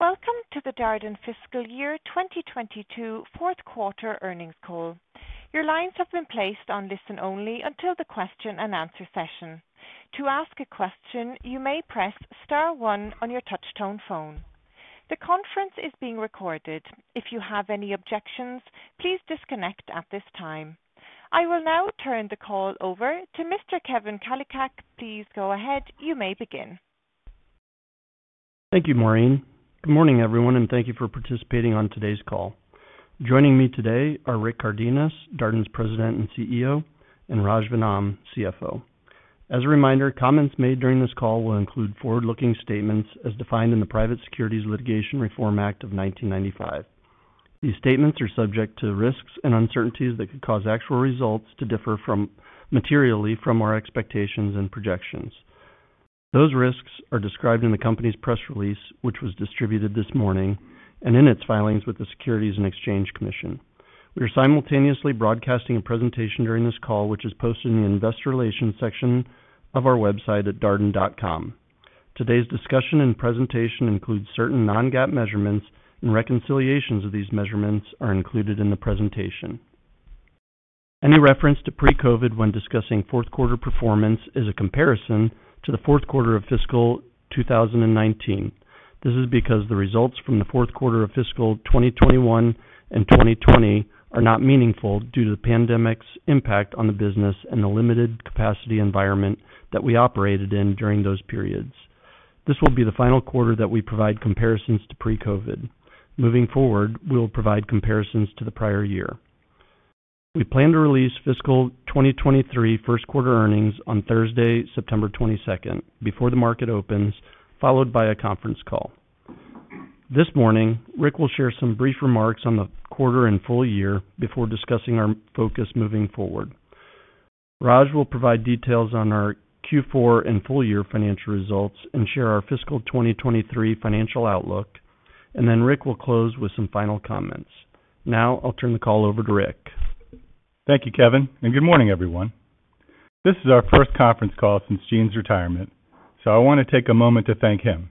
Welcome to the Darden Fiscal Year 2022 fourth quarter earnings call. Your lines have been placed on listen-only until the question-and-answer session. To ask a question, you may press star one on your touchtone phone. The conference is being recorded. If you have any objections, please disconnect at this time. I will now turn the call over to Mr. Kevin Kalicak. Please go ahead. You may begin. Thank you, Maureen. Good morning, everyone, and thank you for participating on today's call. Joining me today are Rick Cardenas, Darden's President and CEO, and Raj Vennam, CFO. As a reminder, comments made during this call will include forward-looking statements as defined in the Private Securities Litigation Reform Act of 1995. These statements are subject to risks and uncertainties that could cause actual results to differ materially from our expectations and projections. Those risks are described in the company's press release, which was distributed this morning and in its filings with the Securities and Exchange Commission. We are simultaneously broadcasting a presentation during this call, which is posted in the Investor Relations section of our website at darden.com. Today's discussion and presentation includes certain non-GAAP measurements and reconciliations of these measurements are included in the presentation. Any reference to pre-COVID when discussing fourth quarter performance is a comparison to the fourth quarter of fiscal 2019. This is because the results from the fourth quarter of fiscal 2021 and 2020 are not meaningful due to the pandemic's impact on the business and the limited capacity environment that we operated in during those periods. This will be the final quarter that we provide comparisons to pre-COVID. Moving forward, we'll provide comparisons to the prior year. We plan to release fiscal 2023 first quarter earnings on Thursday, September 22nd, before the market opens, followed by a conference call. This morning, Rick will share some brief remarks on the quarter and full year before discussing our focus moving forward. Raj will provide details on our Q4 and full year financial results and share our fiscal 2023 financial outlook. Rick will close with some final comments. Now, I'll turn the call over to Rick. Thank you, Kevin, and good morning, everyone. This is our first conference call since Gene's retirement, so I wanna take a moment to thank him.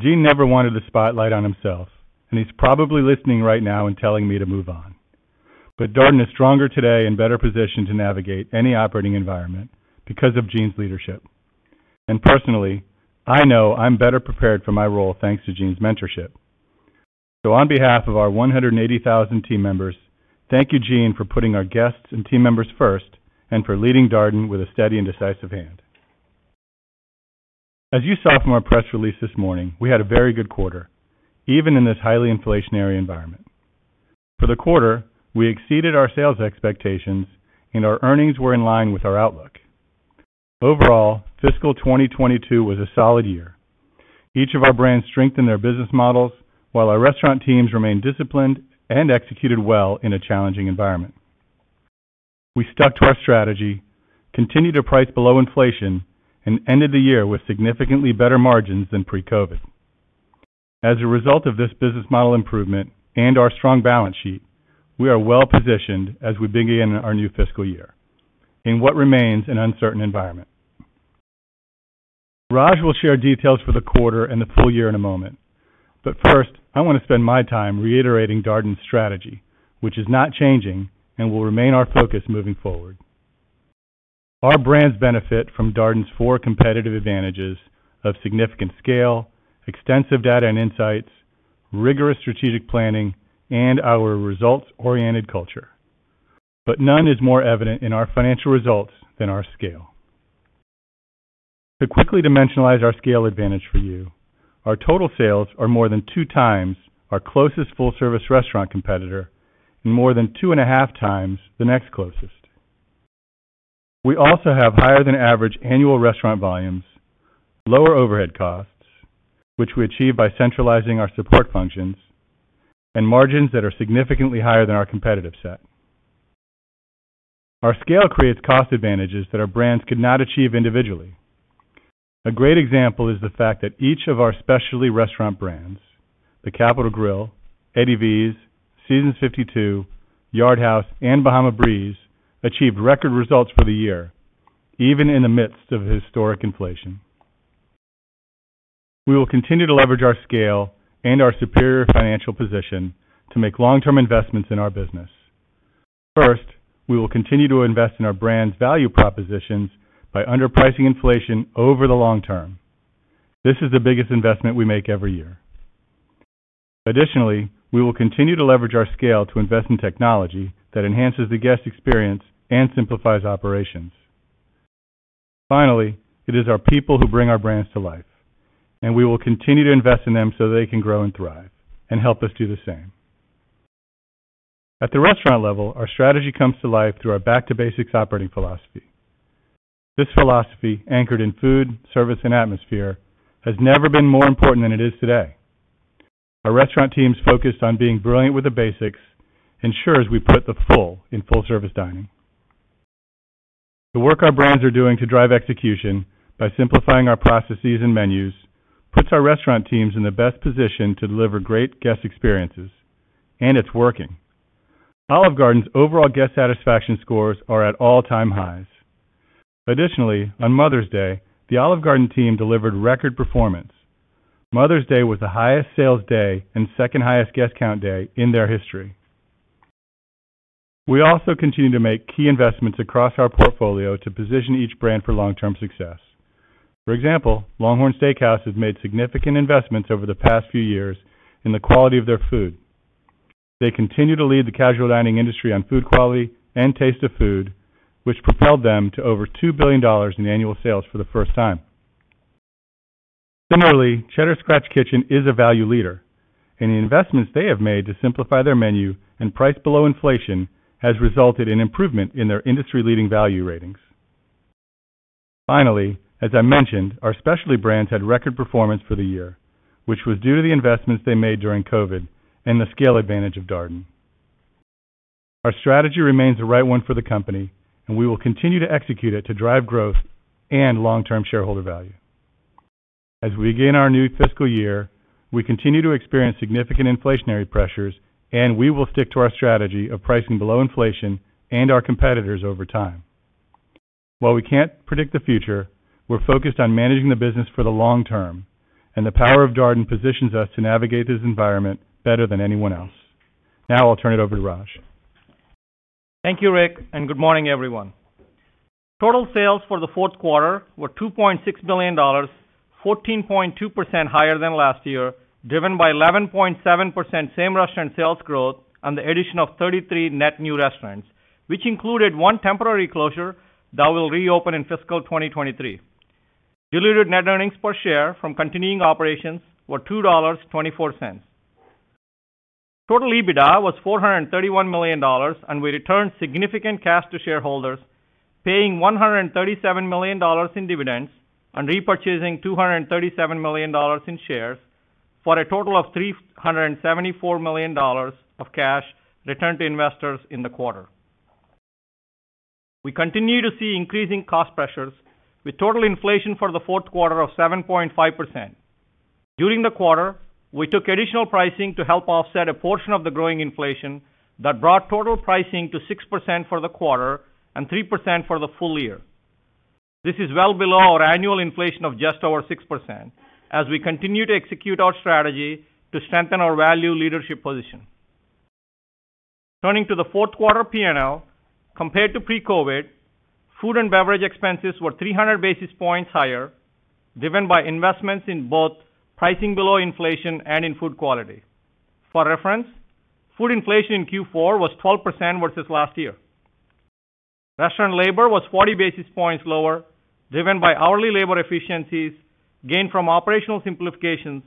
Gene never wanted the spotlight on himself, and he's probably listening right now and telling me to move on. Darden is stronger today and better positioned to navigate any operating environment because of Gene's leadership. Personally, I know I'm better prepared for my role, thanks to Gene's mentorship. On behalf of our 180,000 team members, thank you, Gene, for putting our guests and team members first, and for leading Darden with a steady and decisive hand. As you saw from our press release this morning, we had a very good quarter, even in this highly inflationary environment. For the quarter, we exceeded our sales expectations, and our earnings were in line with our outlook. Overall, fiscal 2022 was a solid year. Each of our brands strengthened their business models while our restaurant teams remained disciplined and executed well in a challenging environment. We stuck to our strategy, continued to price below inflation, and ended the year with significantly better margins than pre-COVID. As a result of this business model improvement and our strong balance sheet, we are well-positioned as we begin our new fiscal year in what remains an uncertain environment. Raj will share details for the quarter and the full year in a moment. First, I wanna spend my time reiterating Darden's strategy, which is not changing and will remain our focus moving forward. Our brands benefit from Darden's four competitive advantages of significant scale, extensive data and insights, rigorous strategic planning, and our results-oriented culture. None is more evident in our financial results than our scale. To quickly dimensionalize our scale advantage for you, our total sales are more than 2x our closest full-service restaurant competitor and more than 2.5x the next closest. We also have higher than average annual restaurant volumes, lower overhead costs, which we achieve by centralizing our support functions, and margins that are significantly higher than our competitive set. Our scale creates cost advantages that our brands could not achieve individually. A great example is the fact that each of our specialty restaurant brands, The Capital Grille, Eddie V's, Seasons 52, Yard House, and Bahama Breeze, achieved record results for the year, even in the midst of historic inflation. We will continue to leverage our scale and our superior financial position to make long-term investments in our business. First, we will continue to invest in our brand's value propositions by underpricing inflation over the long term. This is the biggest investment we make every year. Additionally, we will continue to leverage our scale to invest in technology that enhances the guest experience and simplifies operations. Finally, it is our people who bring our brands to life, and we will continue to invest in them so they can grow and thrive and help us do the same. At the restaurant level, our strategy comes to life through our back-to-basics operating philosophy. This philosophy, anchored in food, service, and atmosphere, has never been more important than it is today. Our restaurant teams focused on being brilliant with the basics ensures we put the full in full service dining. The work our brands are doing to drive execution by simplifying our processes and menus puts our restaurant teams in the best position to deliver great guest experiences, and it's working. Olive Garden's overall guest satisfaction scores are at all-time highs. Additionally, on Mother's Day, the Olive Garden team delivered record performance. Mother's Day was the highest sales day and second highest guest count day in their history. We also continue to make key investments across our portfolio to position each brand for long-term success. For example, LongHorn Steakhouse has made significant investments over the past few years in the quality of their food. They continue to lead the casual dining industry on food quality and taste of food, which propelled them to over $2 billion in annual sales for the first time. Similarly, Cheddar's Scratch Kitchen is a value leader, and the investments they have made to simplify their menu and price below inflation has resulted in improvement in their industry-leading value ratings. Finally, as I mentioned, our specialty brands had record performance for the year, which was due to the investments they made during COVID and the scale advantage of Darden. Our strategy remains the right one for the company, and we will continue to execute it to drive growth and long-term shareholder value. As we begin our new fiscal year, we continue to experience significant inflationary pressures, and we will stick to our strategy of pricing below inflation and our competitors over time. While we can't predict the future, we're focused on managing the business for the long term, and the power of Darden positions us to navigate this environment better than anyone else. Now I'll turn it over to Raj. Thank you, Rick, and good morning, everyone. Total sales for the fourth quarter were $2.6 billion, 14.2% higher than last year, driven by 11.7% same restaurant sales growth and the addition of 33 net new restaurants, which included one temporary closure that will reopen in fiscal 2023. Diluted net earnings per share from continuing operations were $2.24. Total EBITDA was $431 million, and we returned significant cash to shareholders, paying $137 million in dividends and repurchasing $237 million in shares for a total of $374 million of cash returned to investors in the quarter. We continue to see increasing cost pressures with total inflation for the fourth quarter of 7.5%. During the quarter, we took additional pricing to help offset a portion of the growing inflation that brought total pricing to 6% for the quarter and 3% for the full year. This is well below our annual inflation of just over 6% as we continue to execute our strategy to strengthen our value leadership position. Turning to the fourth quarter P&L, compared to pre-COVID, food and beverage expenses were 300 basis points higher, driven by investments in both pricing below inflation and in food quality. For reference, food inflation in Q4 was 12% versus last year. Restaurant labor was 40 basis points lower, driven by hourly labor efficiencies gained from operational simplifications,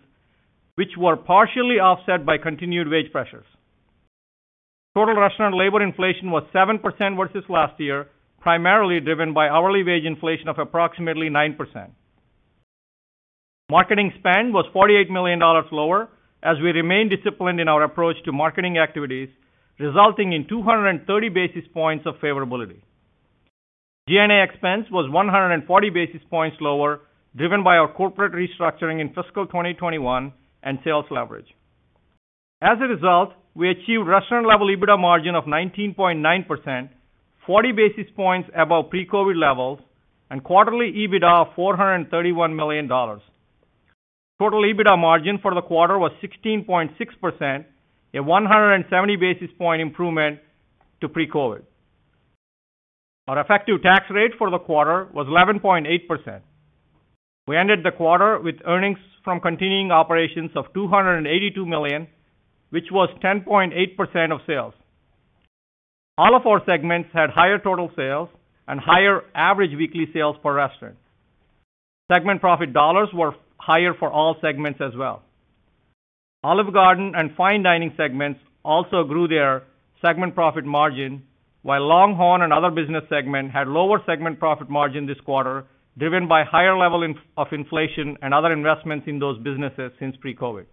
which were partially offset by continued wage pressures. Total restaurant labor inflation was 7% versus last year, primarily driven by hourly wage inflation of approximately 9%. Marketing spend was $48 million lower as we remain disciplined in our approach to marketing activities, resulting in 230 basis points of favorability. G&A expense was 140 basis points lower, driven by our corporate restructuring in fiscal 2021 and sales leverage. As a result, we achieved restaurant level EBITDA margin of 19.9%, 40 basis points above pre-COVID levels and quarterly EBITDA of $431 million. Total EBITDA margin for the quarter was 16.6%, a 170 basis point improvement to pre-COVID. Our effective tax rate for the quarter was 11.8%. We ended the quarter with earnings from continuing operations of $282 million, which was 10.8% of sales. All of our segments had higher total sales and higher average weekly sales per restaurant. Segment profit dollars were higher for all segments as well. Olive Garden and fine dining segments also grew their segment profit margin, while LongHorn and other business segment had lower segment profit margin this quarter, driven by higher levels of inflation and other investments in those businesses since pre-COVID.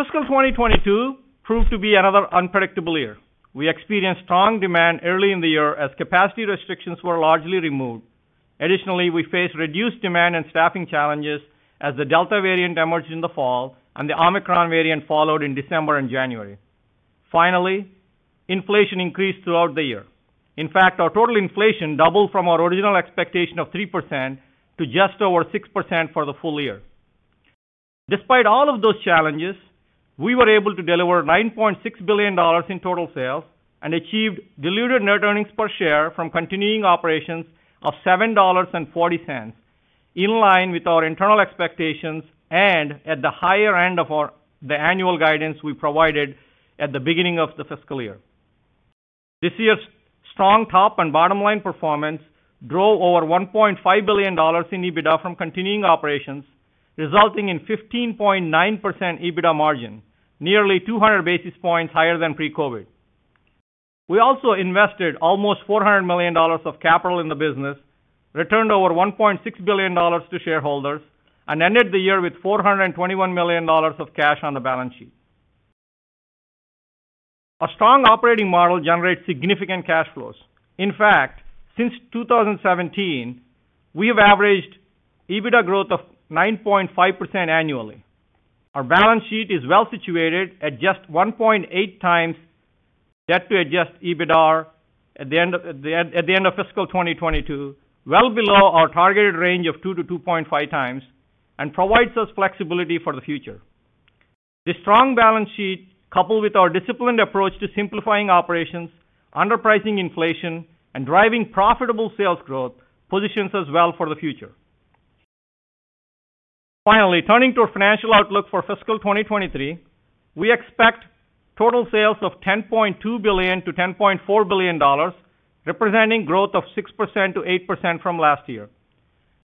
Fiscal 2022 proved to be another unpredictable year. We experienced strong demand early in the year as capacity restrictions were largely removed. Additionally, we faced reduced demand and staffing challenges as the Delta variant emerged in the fall and the Omicron variant followed in December and January. Finally, inflation increased throughout the year. In fact, our total inflation doubled from our original expectation of 3% to just over 6% for the full year. Despite all of those challenges, we were able to deliver $9.6 billion in total sales and achieved diluted net earnings per share from continuing operations of $7.40, in line with our internal expectations and at the higher end of our annual guidance we provided at the beginning of the fiscal year. This year's strong top and bottom line performance drove over $1.5 billion in EBITDA from continuing operations, resulting in 15.9% EBITDA margin, nearly 200 basis points higher than pre-COVID. We also invested almost $400 million of capital in the business, returned over $1.6 billion to shareholders, and ended the year with $421 million of cash on the balance sheet. Our strong operating model generates significant cash flows. In fact, since 2017, we have averaged EBITDA growth of 9.5% annually. Our balance sheet is well situated at just 1.8x debt to adjusted EBITDAR at the end of fiscal 2022, well below our targeted range of 2x-2.5x, and provides us flexibility for the future. The strong balance sheet, coupled with our disciplined approach to simplifying operations, underpricing inflation, and driving profitable sales growth positions us well for the future. Finally, turning to our financial outlook for fiscal 2023, we expect total sales of $10.2 billion-$10.4 billion, representing growth of 6%-8% from last year.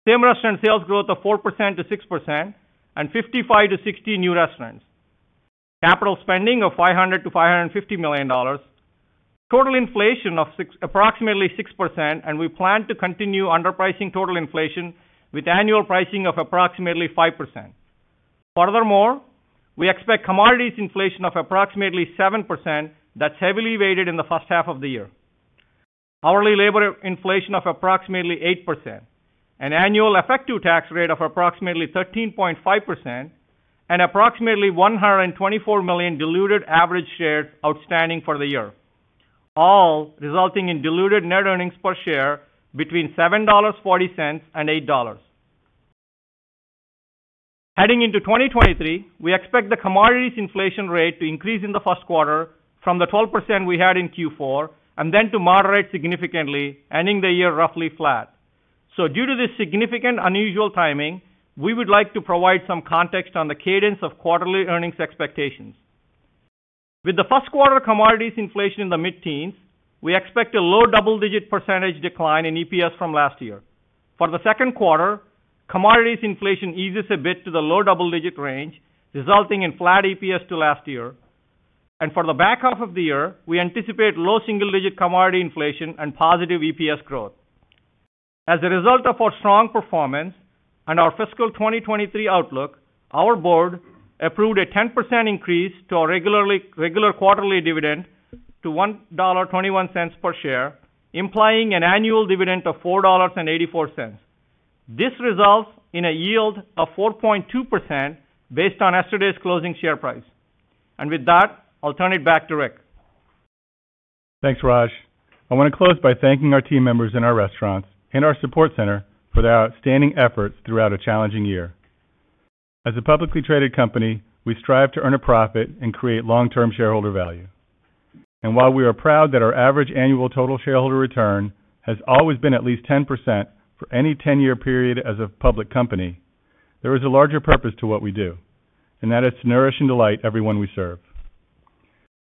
Same restaurant sales growth of 4%-6% and 55-60 new restaurants. Capital spending of $500 million-$550 million. Total inflation of approximately 6%, and we plan to continue underpricing total inflation with annual pricing of approximately 5%. Furthermore, we expect commodities inflation of approximately 7% that's heavily weighted in the first half of the year. Hourly labor inflation of approximately 8%. Annual effective tax rate of approximately 13.5%. Approximately 124 million diluted average shares outstanding for the year. All resulting in diluted net earnings per share between $7.40 and $8. Heading into 2023, we expect the commodities inflation rate to increase in the first quarter from the 12% we had in Q4, and then to moderate significantly ending the year roughly flat. Due to this significant unusual timing, we would like to provide some context on the cadence of quarterly earnings expectations. With the first quarter commodities inflation in the mid-teens, we expect a low double-digit percentage decline in EPS from last year. For the second quarter, commodities inflation eases a bit to the low double-digit % range, resulting in flat EPS to last year. For the back half of the year, we anticipate low single-digit commodity inflation and positive EPS growth. As a result of our strong performance and our fiscal 2023 outlook, our board approved a 10% increase to our regular quarterly dividend to $1.21 per share, implying an annual dividend of $4.84. This results in a yield of 4.2% based on yesterday's closing share price. With that, I'll turn it back to Rick. Thanks, Raj. I want to close by thanking our team members in our restaurants and our support center for their outstanding efforts throughout a challenging year. As a publicly traded company, we strive to earn a profit and create long-term shareholder value. While we are proud that our average annual total shareholder return has always been at least 10% for any 10-year period as a public company, there is a larger purpose to what we do, and that is to nourish and delight everyone we serve.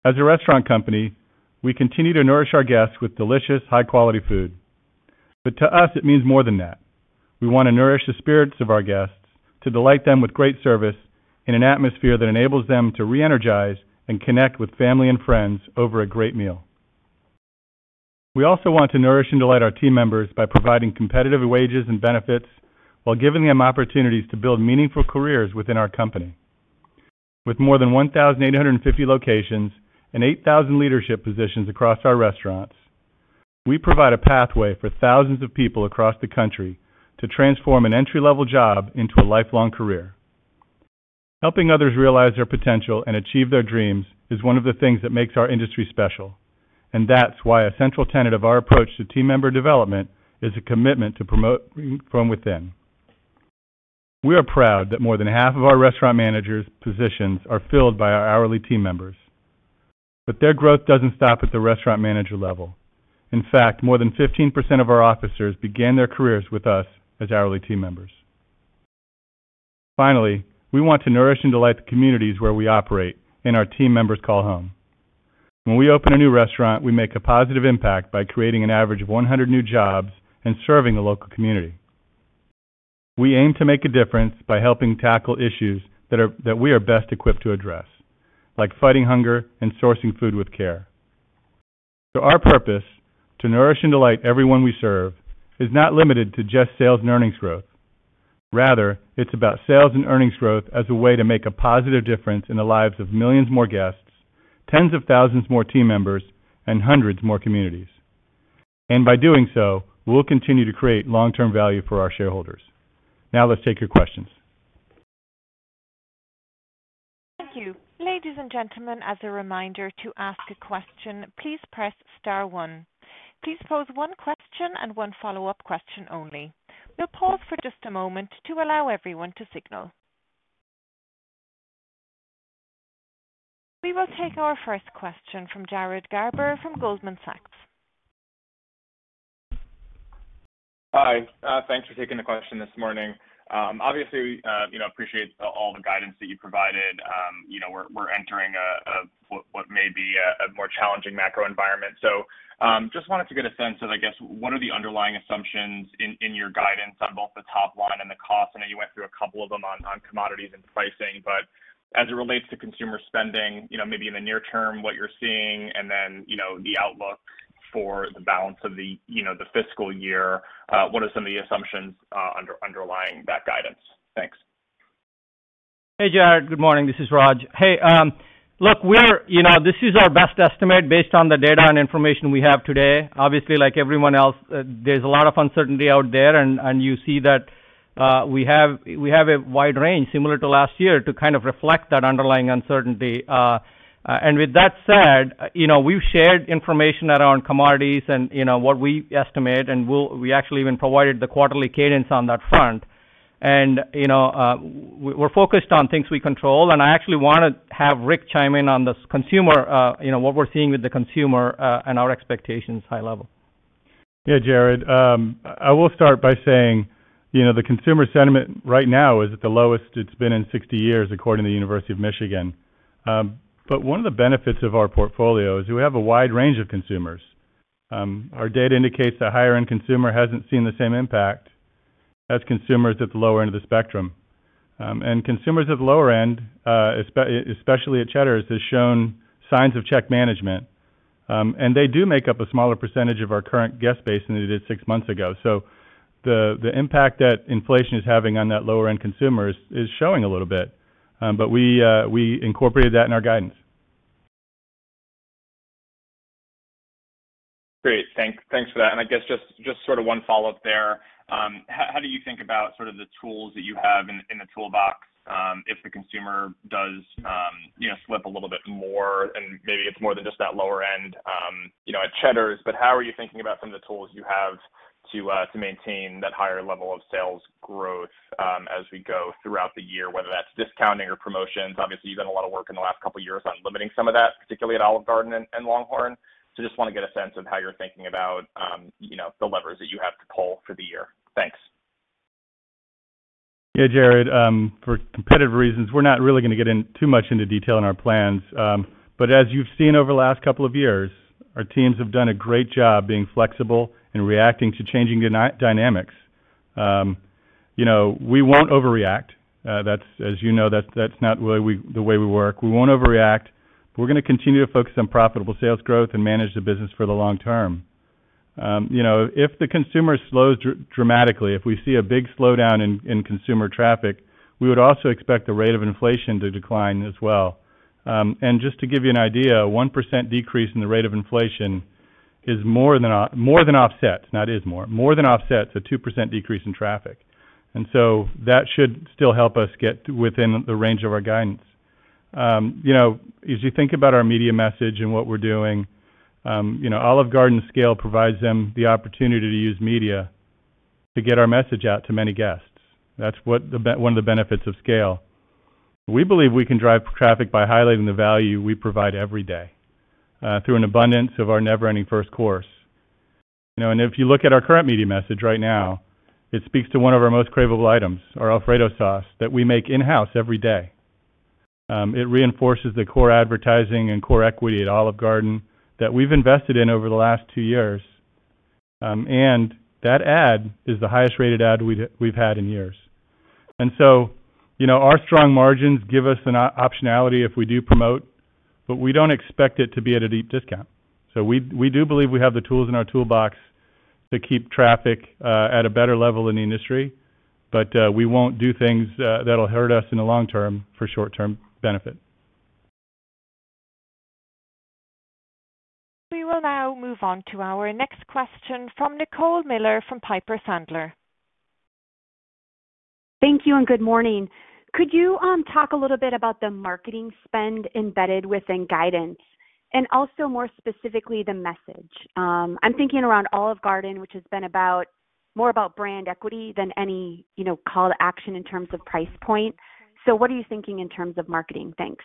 As a restaurant company, we continue to nourish our guests with delicious, high-quality food. To us, it means more than that. We want to nourish the spirits of our guests, to delight them with great service in an atmosphere that enables them to reenergize and connect with family and friends over a great meal. We also want to nourish and delight our team members by providing competitive wages and benefits while giving them opportunities to build meaningful careers within our company. With more than 1,850 locations and 8,000 leadership positions across our restaurants, we provide a pathway for thousands of people across the country to transform an entry-level job into a lifelong career. Helping others realize their potential and achieve their dreams is one of the things that makes our industry special, and that's why a central tenet of our approach to team member development is a commitment to promote from within. We are proud that more than half of our restaurant managers positions are filled by our hourly team members. Their growth doesn't stop at the restaurant manager level. In fact, more than 15% of our officers began their careers with us as hourly team members. Finally, we want to nourish and delight the communities where we operate and our team members call home. When we open a new restaurant, we make a positive impact by creating an average of 100 new jobs and serving the local community. We aim to make a difference by helping tackle issues that we are best equipped to address, like fighting hunger and sourcing food with care. Our purpose to nourish and delight everyone we serve is not limited to just sales and earnings growth. Rather, it's about sales and earnings growth as a way to make a positive difference in the lives of millions more guests, tens of thousands more team members, and hundreds more communities. By doing so, we'll continue to create long-term value for our shareholders. Now let's take your questions. Thank you. Ladies and gentlemen, as a reminder to ask a question, please press star one. Please pose one question and one follow-up question only. We'll pause for just a moment to allow everyone to signal. We will take our first question from Jared Garber from Goldman Sachs. Hi. Thanks for taking the question this morning. Obviously, you know, appreciate all the guidance that you provided. You know, we're entering what may be a more challenging macro environment. Just wanted to get a sense of, I guess, what are the underlying assumptions in your guidance on both the top line and the cost. I know you went through a couple of them on commodities and pricing. As it relates to consumer spending, you know, maybe in the near term, what you're seeing and then, you know, the outlook for the balance of the fiscal year, what are some of the assumptions underlying that guidance? Thanks. Hey, Jared. Good morning. This is Raj. Look, we're, you know, this is our best estimate based on the data and information we have today. Obviously, like everyone else, there's a lot of uncertainty out there, and you see that we have a wide range similar to last year to kind of reflect that underlying uncertainty. With that said, you know, we've shared information around commodities and, you know, what we estimate, and we actually even provided the quarterly cadence on that front. You know, we're focused on things we control. I actually wanna have Rick chime in on this consumer, you know, what we're seeing with the consumer, and our expectations high level. Yeah, Jared. I will start by saying, you know, the consumer sentiment right now is at the lowest it's been in 60 years, according to the University of Michigan. One of the benefits of our portfolio is we have a wide range of consumers. Our data indicates the higher end consumer hasn't seen the same impact as consumers at the lower end of the spectrum. Consumers at the lower end, especially at Cheddar's, has shown signs of check management. They do make up a smaller percentage of our current guest base than it did six months ago. The impact that inflation is having on that lower end consumer is showing a little bit. We incorporated that in our guidance. Great. Thanks for that. I guess just sort of one follow-up there. How do you think about sort of the tools that you have in the toolbox, if the consumer does, you know, slip a little bit more and maybe it's more than just that lower end, you know, at Cheddar's? How are you thinking about some of the tools you have to maintain that higher level of sales growth, as we go throughout the year, whether that's discounting or promotions? Obviously, you've done a lot of work in the last couple of years on limiting some of that, particularly at Olive Garden and LongHorn. Just wanna get a sense of how you're thinking about, you know, the levers that you have to pull for the year. Thanks. Yeah, Jared. For competitive reasons, we're not really gonna get into too much detail in our plans. As you've seen over the last couple of years, our teams have done a great job being flexible and reacting to changing dynamics. You know, we won't overreact. That's, as you know, not really the way we work. We won't overreact. We're gonna continue to focus on profitable sales growth and manage the business for the long term. You know, if the consumer slows dramatically, if we see a big slowdown in consumer traffic, we would also expect the rate of inflation to decline as well. Just to give you an idea, a 1% decrease in the rate of inflation more than offsets a 2% decrease in traffic. That should still help us get within the range of our guidance. You know, as you think about our media message and what we're doing, you know, Olive Garden scale provides them the opportunity to use media to get our message out to many guests. That's one of the benefits of scale. We believe we can drive traffic by highlighting the value we provide every day, through an abundance of our never-ending first course. You know, if you look at our current media message right now, it speaks to one of our most craveable items, our Alfredo sauce, that we make in-house every day. It reinforces the core advertising and core equity at Olive Garden that we've invested in over the last two years. That ad is the highest-rated ad we've had in years. You know, our strong margins give us an optionality if we do promote, but we don't expect it to be at a deep discount. We do believe we have the tools in our toolbox to keep traffic at a better level in the industry, but we won't do things that'll hurt us in the long term for short-term benefit. We will now move on to our next question from Nicole Miller from Piper Sandler. Thank you, and good morning. Could you talk a little bit about the marketing spend embedded within guidance and also more specifically the message? I'm thinking around Olive Garden, which has been more about brand equity than any, you know, call to action in terms of price point. What are you thinking in terms of marketing? Thanks.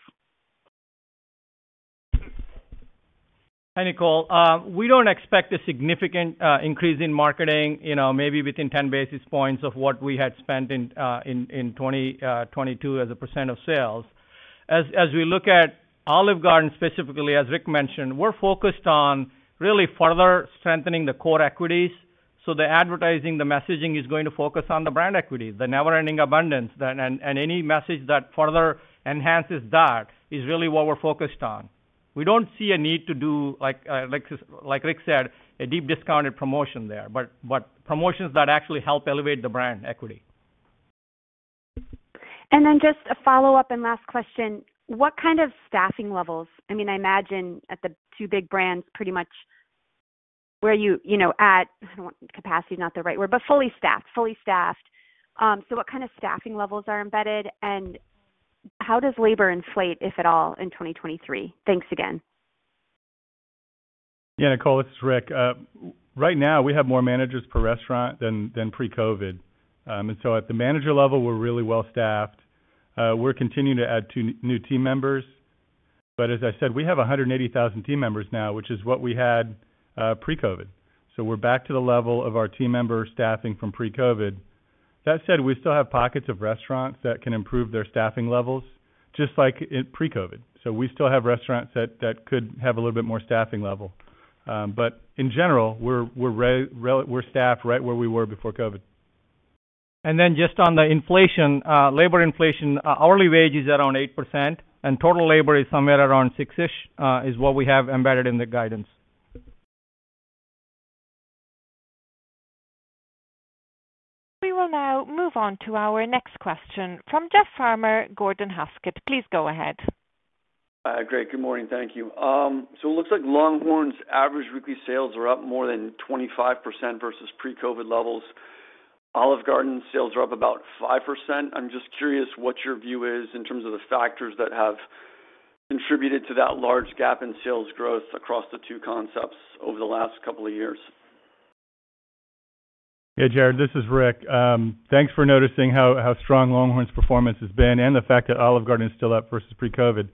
Hi, Nicole. We don't expect a significant increase in marketing, you know, maybe within ten basis points of what we had spent in 2022 as a percent of sales. As we look at Olive Garden, specifically, as Rick mentioned, we're focused on really further strengthening the core equities. The advertising, the messaging is going to focus on the brand equity, the never-ending abundance and any message that further enhances that is really what we're focused on. We don't see a need to do, like Rick said, a deeply discounted promotion there, but promotions that actually help elevate the brand equity. Just a follow-up and last question. What kind of staffing levels? I mean, I imagine at the two big brands pretty much where you know, at, I don't want capacity, not the right word, but fully staffed. What kind of staffing levels are embedded, and how does labor inflate, if at all, in 2023? Thanks again. Yeah, Nicole, this is Rick. Right now, we have more managers per restaurant than pre-COVID. At the manager level, we're really well staffed. We're continuing to add two new team members. As I said, we have 180,000 team members now, which is what we had pre-COVID. We're back to the level of our team member staffing from pre-COVID. That said, we still have pockets of restaurants that can improve their staffing levels just like in pre-COVID. We still have restaurants that could have a little bit more staffing level. In general, we're staffed right where we were before COVID. Just on the inflation, labor inflation, hourly wage is around 8%, and total labor is somewhere around 6%-ish, is what we have embedded in the guidance. We will now move on to our next question from Jeff Farmer, Gordon Haskett. Please go ahead. Great. Good morning. Thank you. It looks like LongHorn's average weekly sales are up more than 25% versus pre-COVID levels. Olive Garden sales are up about 5%. I'm just curious what your view is in terms of the factors that have contributed to that large gap in sales growth across the two concepts over the last couple of years. Yeah, Jared, this is Rick. Thanks for noticing how strong LongHorn's performance has been and the fact that Olive Garden is still up versus pre-COVID.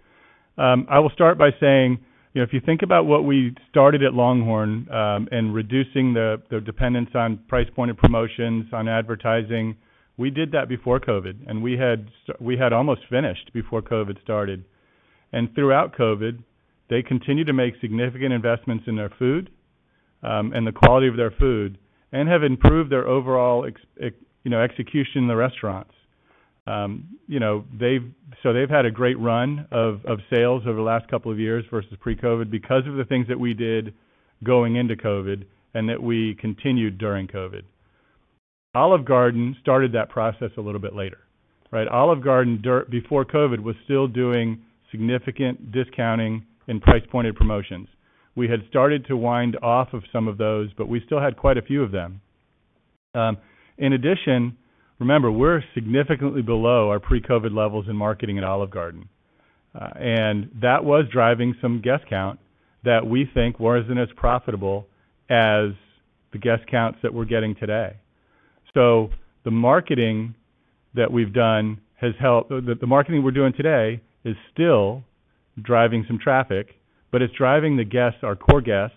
I will start by saying, you know, if you think about what we started at LongHorn, in reducing the dependence on price point and promotions, on advertising, we did that before COVID, and we had almost finished before COVID started. Throughout COVID, they continued to make significant investments in their food, and the quality of their food and have improved their overall execution in the restaurants. You know, they've had a great run of sales over the last couple of years versus pre-COVID because of the things that we did going into COVID and that we continued during COVID. Olive Garden started that process a little bit later, right? Olive Garden before COVID was still doing significant discounting and price pointed promotions. We had started to wind off of some of those, but we still had quite a few of them. In addition, remember, we're significantly below our pre-COVID levels in marketing at Olive Garden, and that was driving some guest count that we think wasn't as profitable as the guest counts that we're getting today. The marketing that we've done has helped. The marketing we're doing today is still driving some traffic, but it's driving the guests, our core guests,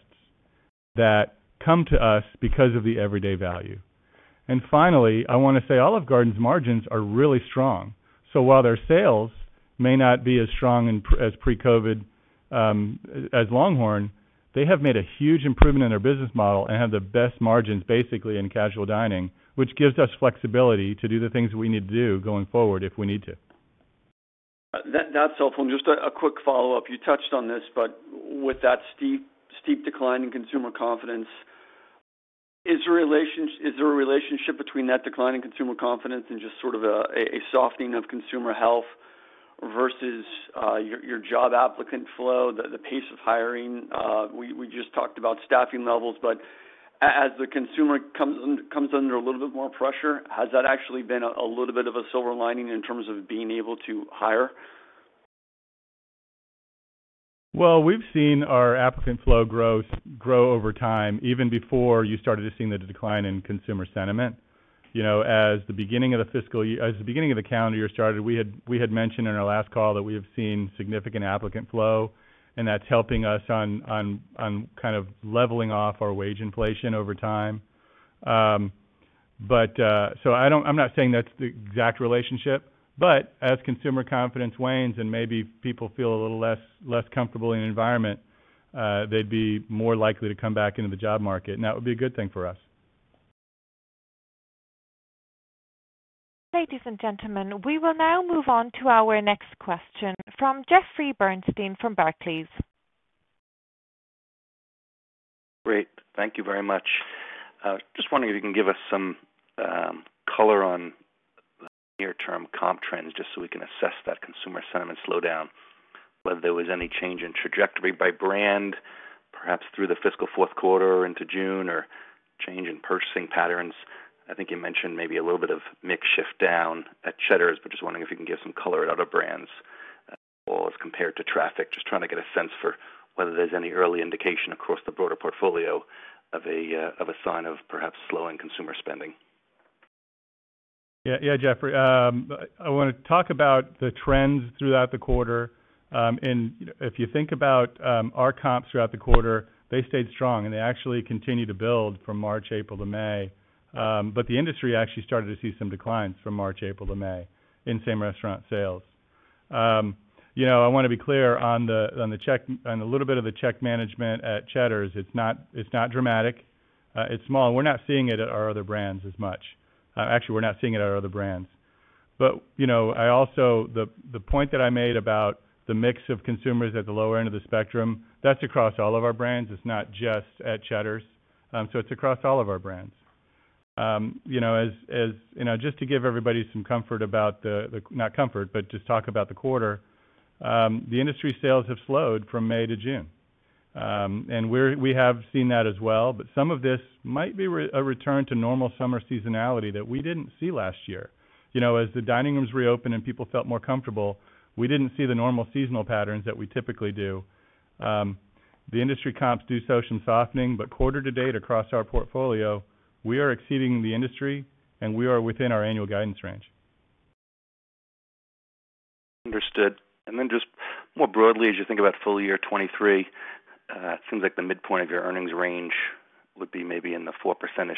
that come to us because of the everyday value. Finally, I wanna say Olive Garden's margins are really strong. While their sales may not be as strong as pre-COVID as LongHorn, they have made a huge improvement in their business model and have the best margins basically in casual dining, which gives us flexibility to do the things we need to do going forward if we need to. That's helpful. Just a quick follow-up. You touched on this, but with that steep decline in consumer confidence, is there a relationship between that decline in consumer confidence and just sort of a softening of consumer health versus your job applicant flow, the pace of hiring? We just talked about staffing levels, but as the consumer comes under a little bit more pressure, has that actually been a little bit of a silver lining in terms of being able to hire? Well, we've seen our applicant flow growth grow over time, even before you started to see the decline in consumer sentiment. You know, as the beginning of the calendar year started, we had mentioned in our last call that we have seen significant applicant flow, and that's helping us on kind of leveling off our wage inflation over time. But I'm not saying that's the exact relationship, but as consumer confidence wanes and maybe people feel a little less comfortable in an environment, they'd be more likely to come back into the job market, and that would be a good thing for us. Ladies and gentlemen, we will now move on to our next question from Jeffrey Bernstein from Barclays. Great. Thank you very much. Just wondering if you can give us some color on near-term comp trends just so we can assess that consumer sentiment slowdown, whether there was any change in trajectory by brand, perhaps through the fiscal fourth quarter into June or change in purchasing patterns. I think you mentioned maybe a little bit of mix shift down at Cheddar's, but just wondering if you can give some color at other brands or as compared to traffic. Just trying to get a sense for whether there's any early indication across the broader portfolio of a sign of perhaps slowing consumer spending. Yeah. Yeah, Jeffrey. I wanna talk about the trends throughout the quarter. If you think about our comps throughout the quarter, they stayed strong, and they actually continued to build from March, April to May. The industry actually started to see some declines from March, April to May in same restaurant sales. You know, I wanna be clear on the check, on the little bit of the check management at Cheddar's. It's not dramatic. It's small, and we're not seeing it at our other brands as much. Actually, we're not seeing it at our other brands. You know, the point that I made about the mix of consumers at the lower end of the spectrum, that's across all of our brands. It's not just at Cheddar's. It's across all of our brands. You know, just to give everybody some comfort about. Not comfort, but just talk about the quarter. The industry sales have slowed from May to June. We have seen that as well, but some of this might be a return to normal summer seasonality that we didn't see last year. You know, as the dining rooms reopened and people felt more comfortable, we didn't see the normal seasonal patterns that we typically do. The industry comps do show some softening, but quarter to date across our portfolio, we are exceeding the industry, and we are within our annual guidance range. Understood. Then just more broadly, as you think about full year 2023, it seems like the midpoint of your earnings range would be maybe in the 4%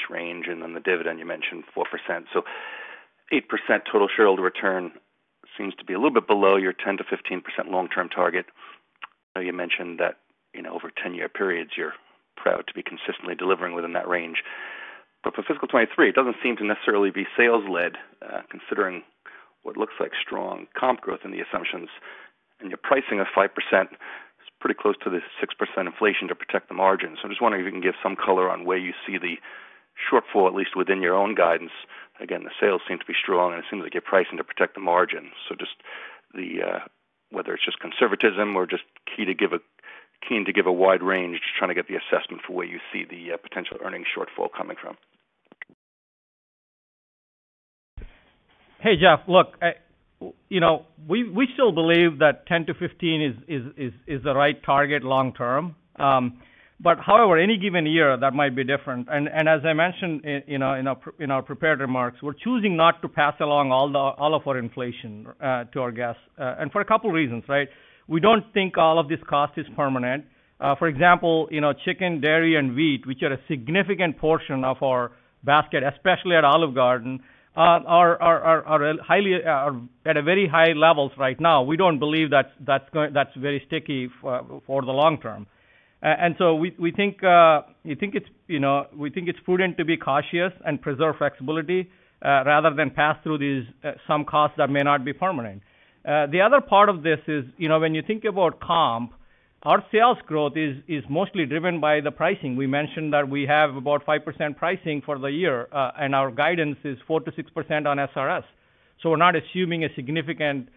range, and then the dividend, you mentioned 4%. 8% total shareholder return seems to be a little bit below your 10%-15% long-term target. I know you mentioned that, you know, over 10-year periods, you're proud to be consistently delivering within that range. For fiscal 2023, it doesn't seem to necessarily be sales-led, considering What looks like strong comp growth in the assumptions and your pricing of 5% is pretty close to the 6% inflation to protect the margin. I'm just wondering if you can give some color on where you see the shortfall, at least within your own guidance. Again, the sales seem to be strong, and it seems like you're pricing to protect the margin. Just the whether it's just conservatism or just keen to give a wide range, just trying to get the assessment for where you see the potential earnings shortfall coming from. Hey, Jeff, look, you know, we still believe that 10%-15% is the right target long term. However, any given year that might be different. As I mentioned, you know, in our prepared remarks, we're choosing not to pass along all of our inflation to our guests and for a couple reasons, right? We don't think all of this cost is permanent. For example, you know, chicken, dairy, and wheat, which are a significant portion of our basket, especially at Olive Garden, are at very high levels right now. We don't believe that that's very sticky for the long term. We think it's, you know, prudent to be cautious and preserve flexibility rather than pass through these some costs that may not be permanent. The other part of this is, you know, when you think about comp, our sales growth is mostly driven by the pricing. We mentioned that we have about 5% pricing for the year, and our guidance is 4%-6% on SRS. We're not assuming a significant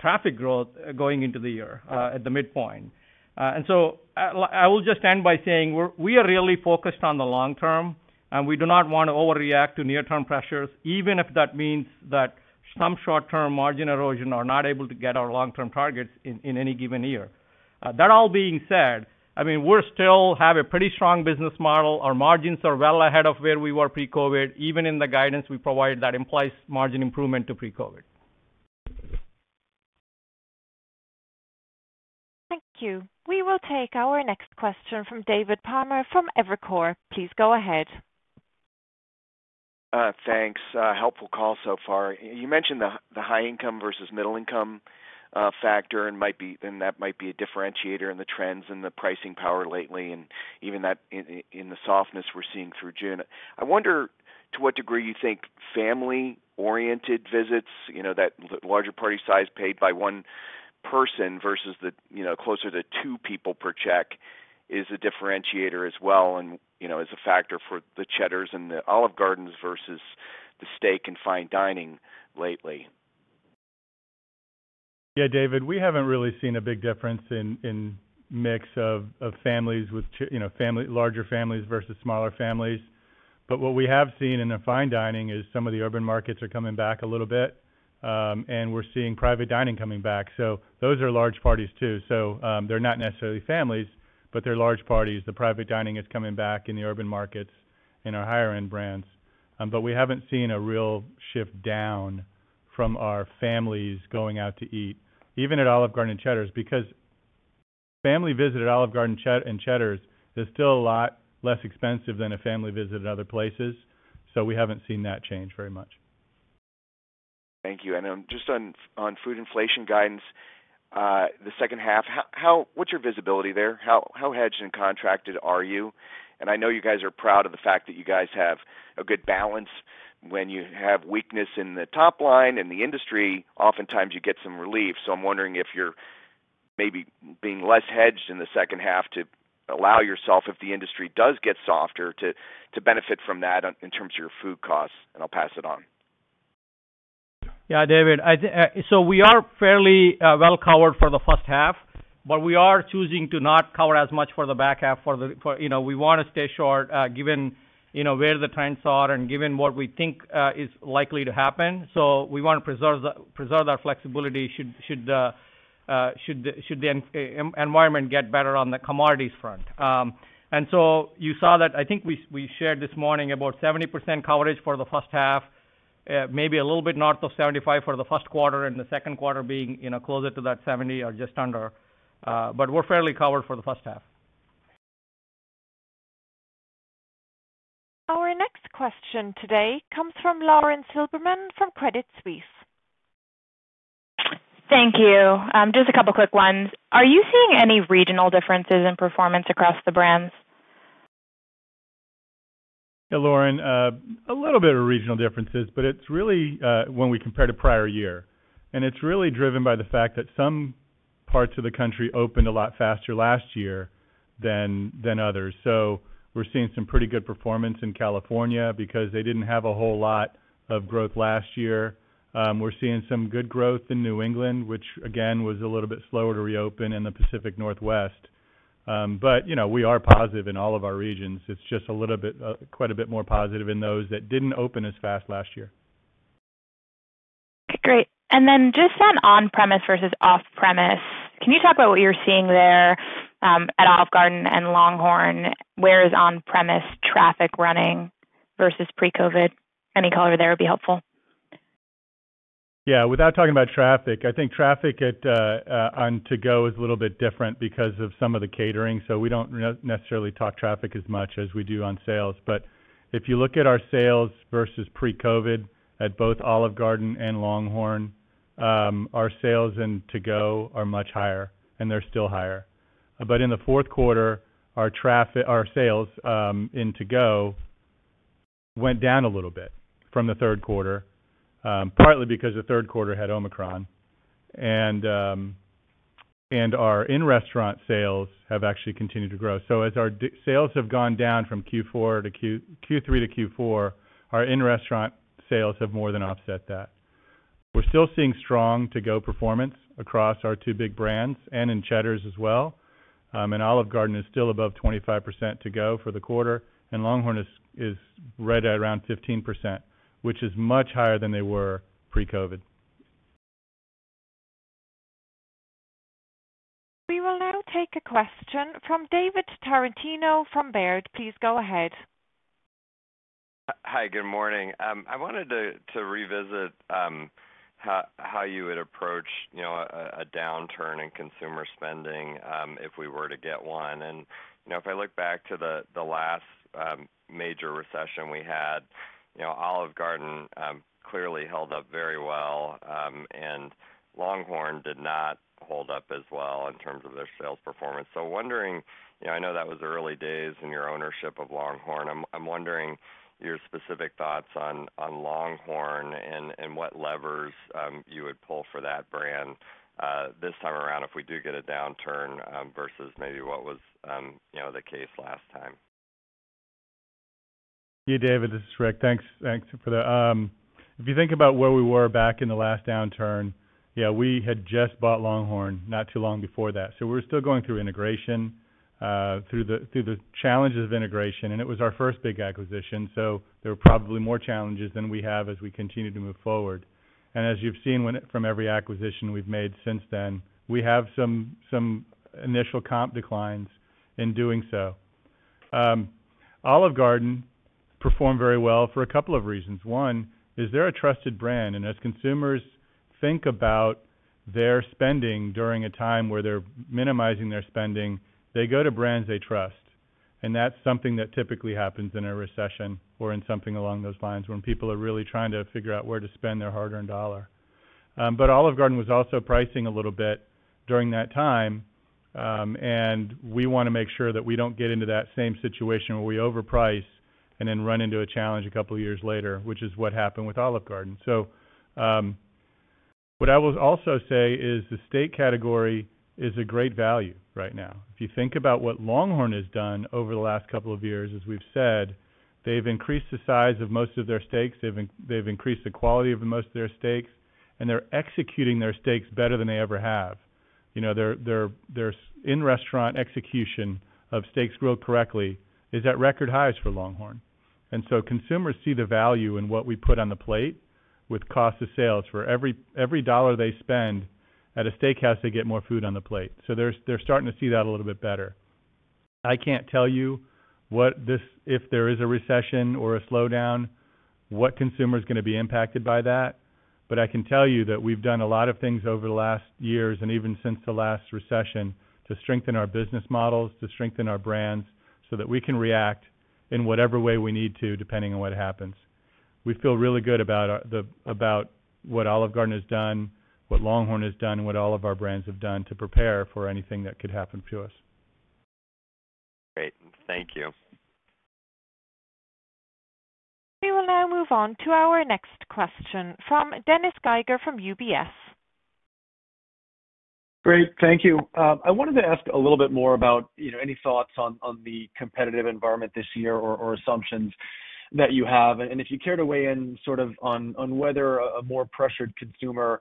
traffic growth going into the year at the midpoint. I will just end by saying we are really focused on the long term, and we do not wanna overreact to near-term pressures, even if that means that some short-term margin erosion are not able to get our long-term targets in any given year. That all being said, I mean, we're still having a pretty strong business model. Our margins are well ahead of where we were pre-COVID. Even in the guidance we provided, that implies margin improvement to pre-COVID. Thank you. We will take our next question from David Palmer from Evercore. Please go ahead. Thanks. A helpful call so far. You mentioned the high income versus middle income factor, and that might be a differentiator in the trends and the pricing power lately, and even that in the softness we're seeing through June. I wonder to what degree you think family-oriented visits, you know, that larger party size paid by one person versus the, you know, closer to two people per check is a differentiator as well and, you know, is a factor for the Cheddar's and the Olive Gardens versus the steak and fine dining lately. Yeah, David, we haven't really seen a big difference in mix of families, you know, larger families versus smaller families. What we have seen in the fine dining is some of the urban markets are coming back a little bit, and we're seeing private dining coming back. Those are large parties too. They're not necessarily families, but they're large parties. The private dining is coming back in the urban markets in our higher end brands. We haven't seen a real shift down from our families going out to eat, even at Olive Garden and Cheddar's, because family visit at Olive Garden and Cheddar's is still a lot less expensive than a family visit at other places. We haven't seen that change very much. Thank you. Just on food inflation guidance, the second half, how what's your visibility there? How hedged and contracted are you? I know you guys are proud of the fact that you guys have a good balance. When you have weakness in the top line in the industry, oftentimes you get some relief. I'm wondering if you're maybe being less hedged in the second half to allow yourself, if the industry does get softer, to benefit from that in terms of your food costs, and I'll pass it on. David, we are fairly well covered for the first half, but we are choosing to not cover as much for the back half, you know, we wanna stay short, given, you know, where the trends are and given what we think is likely to happen. We wanna preserve our flexibility should the environment get better on the commodities front. You saw that I think we shared this morning about 70% coverage for the first half, maybe a little bit north of 75% for the first quarter and the second quarter being, you know, closer to that 70% or just under. We're fairly covered for the first half. Our next question today comes from Lauren Silberman from Credit Suisse. Thank you. Just a couple quick ones. Are you seeing any regional differences in performance across the brands? Yeah, Lauren, a little bit of regional differences, but it's really, when we compare to prior year, and it's really driven by the fact that some parts of the country opened a lot faster last year than others. We're seeing some pretty good performance in California because they didn't have a whole lot of growth last year. We're seeing some good growth in New England, which again was a little bit slower to reopen in the Pacific Northwest. But you know, we are positive in all of our regions. It's just a little bit, quite a bit more positive in those that didn't open as fast last year. Great. Just on-premise versus off-premise, can you talk about what you're seeing there at Olive Garden and LongHorn? Where is on-premise traffic running versus pre-COVID? Any color there would be helpful. Yeah. Without talking about traffic, I think traffic on to-go is a little bit different because of some of the catering. We don't necessarily talk traffic as much as we do on sales. If you look at our sales versus pre-COVID at both Olive Garden and LongHorn, our sales in to-go are much higher and they're still higher. In the fourth quarter, our sales in to-go went down a little bit from the third quarter, partly because the third quarter had Omicron. Our in-restaurant sales have actually continued to grow. As our to-go sales have gone down from Q3 to Q4, our in-restaurant sales have more than offset that. We're still seeing strong to-go performance across our two big brands and in Cheddar's as well. Olive Garden is still above 25% to-go for the quarter, and LongHorn is right at around 15%, which is much higher than they were pre-COVID. We will now take a question from David Tarantino from Baird. Please go ahead. Hi, good morning. I wanted to revisit how you would approach, you know, a downturn in consumer spending, if we were to get one. You know, if I look back to the last major recession we had, you know, Olive Garden clearly held up very well, and LongHorn did not hold up as well in terms of their sales performance. Wondering, you know, I know that was early days in your ownership of LongHorn. I'm wondering your specific thoughts on LongHorn and what levers you would pull for that brand, this time around if we do get a downturn, versus maybe what was, you know, the case last time. Yeah. David, this is Rick. Thanks. Thanks for that. If you think about where we were back in the last downturn, yeah, we had just bought LongHorn not too long before that. We were still going through integration, through the challenges of integration, and it was our first big acquisition, so there were probably more challenges than we have as we continue to move forward. As you've seen from every acquisition we've made since then, we have some initial comp declines in doing so. Olive Garden performed very well for a couple of reasons. One is they're a trusted brand, and as consumers think about their spending during a time where they're minimizing their spending, they go to brands they trust. That's something that typically happens in a recession or in something along those lines when people are really trying to figure out where to spend their hard-earned dollar. Olive Garden was also pricing a little bit during that time, and we wanna make sure that we don't get into that same situation where we overprice and then run into a challenge a couple of years later, which is what happened with Olive Garden. What I will also say is the steak category is a great value right now. If you think about what LongHorn has done over the last couple of years, as we've said, they've increased the size of most of their steaks, they've increased the quality of most of their steaks, and they're executing their steaks better than they ever have. You know, their strong in-restaurant execution of steaks grilled correctly is at record highs for LongHorn. Consumers see the value in what we put on the plate with cost of sales. For every dollar they spend at a steakhouse, they get more food on the plate. They're starting to see that a little bit better. I can't tell you what if there is a recession or a slowdown, what consumer is gonna be impacted by that, but I can tell you that we've done a lot of things over the last years and even since the last recession to strengthen our business models, to strengthen our brands, so that we can react in whatever way we need to depending on what happens. We feel really good about what Olive Garden has done, what LongHorn has done, and what all of our brands have done to prepare for anything that could happen to us. Great. Thank you. We will now move on to our next question from Dennis Geiger from UBS. Great. Thank you. I wanted to ask a little bit more about, you know, any thoughts on the competitive environment this year or assumptions that you have. If you care to weigh in, sort of, on whether a more pressured consumer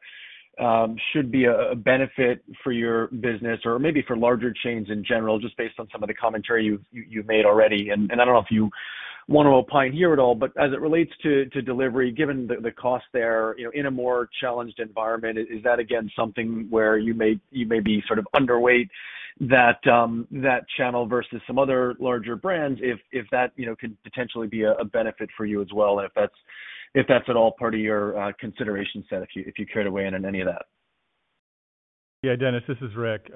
should be a benefit for your business or maybe for larger chains in general, just based on some of the commentary you've made already. I don't know if you want to opine here at all, but as it relates to delivery, given the cost there, you know, in a more challenged environment, is that again something where you may be sort of underweight that channel versus some other larger brands if that, you know, could potentially be a benefit for you as well, and if that's at all part of your consideration set, if you care to weigh in on any of that. Yeah. Dennis, this is Rick.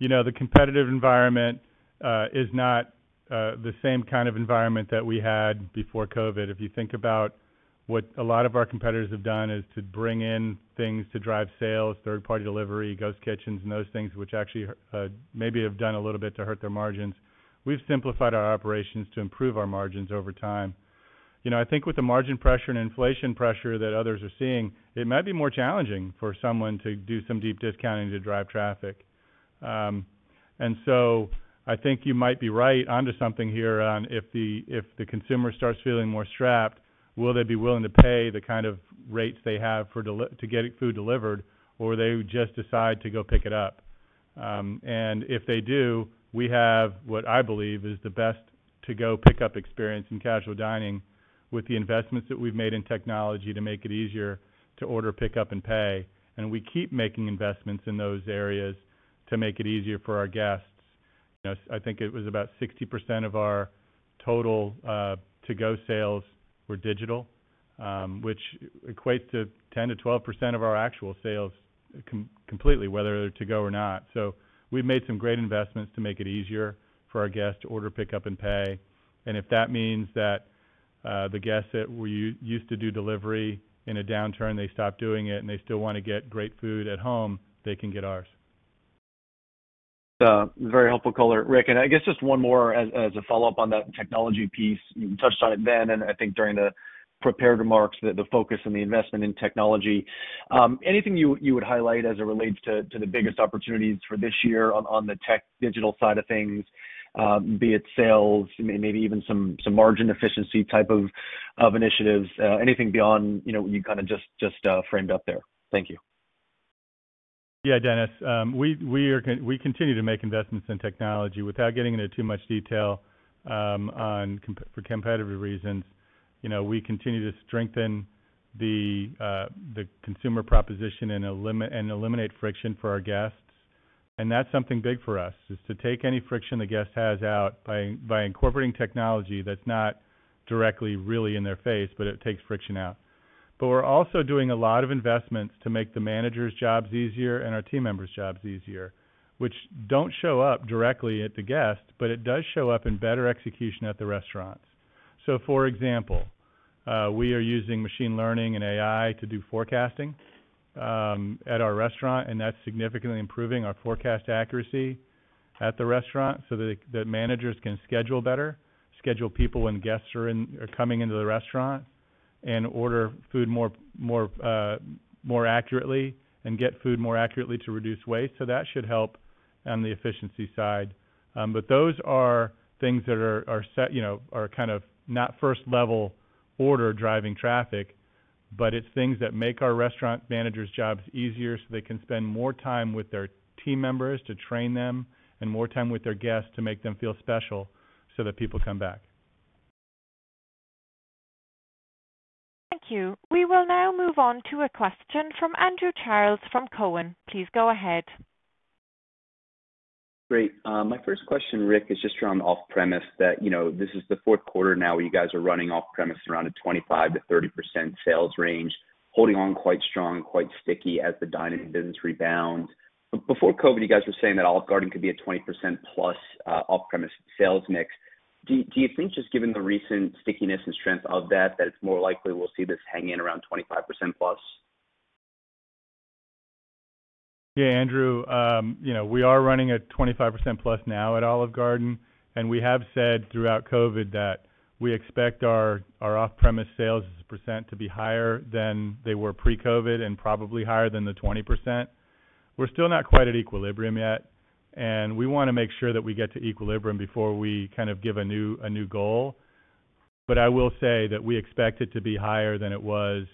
You know, the competitive environment is not the same kind of environment that we had before COVID. If you think about what a lot of our competitors have done is to bring in things to drive sales, third-party delivery, ghost kitchens, and those things which actually maybe have done a little bit to hurt their margins. We've simplified our operations to improve our margins over time. You know, I think with the margin pressure and inflation pressure that others are seeing, it might be more challenging for someone to do some deep discounting to drive traffic. I think you might be right on to something here on if the consumer starts feeling more strapped, will they be willing to pay the kind of rates they have for delivery to get food delivered, or they just decide to go pick it up. If they do, we have what I believe is the best to-go pickup experience in casual dining with the investments that we've made in technology to make it easier to order, pick up, and pay. We keep making investments in those areas to make it easier for our guests. You know, I think it was about 60% of our total to-go sales were digital, which equates to 10%-12% of our actual sales completely, whether to-go or not. We've made some great investments to make it easier for our guests to order, pick up, and pay. If that means that the guests that we used to do delivery in a downturn, they stopped doing it, and they still want to get great food at home, they can get ours. Very helpful color, Rick. I guess just one more as a follow-up on that technology piece. You touched on it then, and I think during the prepared remarks, the focus and the investment in technology. Anything you would highlight as it relates to the biggest opportunities for this year on the tech digital side of things, be it sales, maybe even some margin efficiency type of initiatives, anything beyond, you know, what you kinda just framed up there. Thank you. Yeah, Dennis. We continue to make investments in technology without getting into too much detail for competitive reasons. You know, we continue to strengthen the consumer proposition and eliminate friction for our guests. That's something big for us, is to take any friction the guest has out by incorporating technology that's not directly really in their face, but it takes friction out. We're also doing a lot of investments to make the managers' jobs easier and our team members' jobs easier, which don't show up directly at the guest, but it does show up in better execution at the restaurants. For example, we are using machine learning and AI to do forecasting at our restaurant, and that's significantly improving our forecast accuracy at the restaurant so that the managers can schedule better, schedule people when guests are coming into the restaurant and order food more accurately and get food more accurately to reduce waste. That should help on the efficiency side. Those are things that are set, you know, are kind of not first-level order driving traffic, but it's things that make our restaurant managers' jobs easier, so they can spend more time with their team members to train them and more time with their guests to make them feel special so that people come back. Thank you. We will now move on to a question from Andrew Charles from Cowen. Please go ahead. Great. My first question, Rick, is just around off-premise that, you know, this is the fourth quarter now where you guys are running off-premise around a 25%-30% sales range, holding on quite strong, quite sticky as the dining business rebounds. Before COVID, you guys were saying that Olive Garden could be a 20%+ off-premise sales mix. Do you think just given the recent stickiness and strength of that it's more likely we'll see this hanging around 25%+? Yeah, Andrew, you know, we are running at 25%+ now at Olive Garden, and we have said throughout COVID that we expect our off-premise sales as a percent to be higher than they were pre-COVID and probably higher than the 20%. We're still not quite at equilibrium yet, and we wanna make sure that we get to equilibrium before we kind of give a new goal. But I will say that we expect it to be higher than it was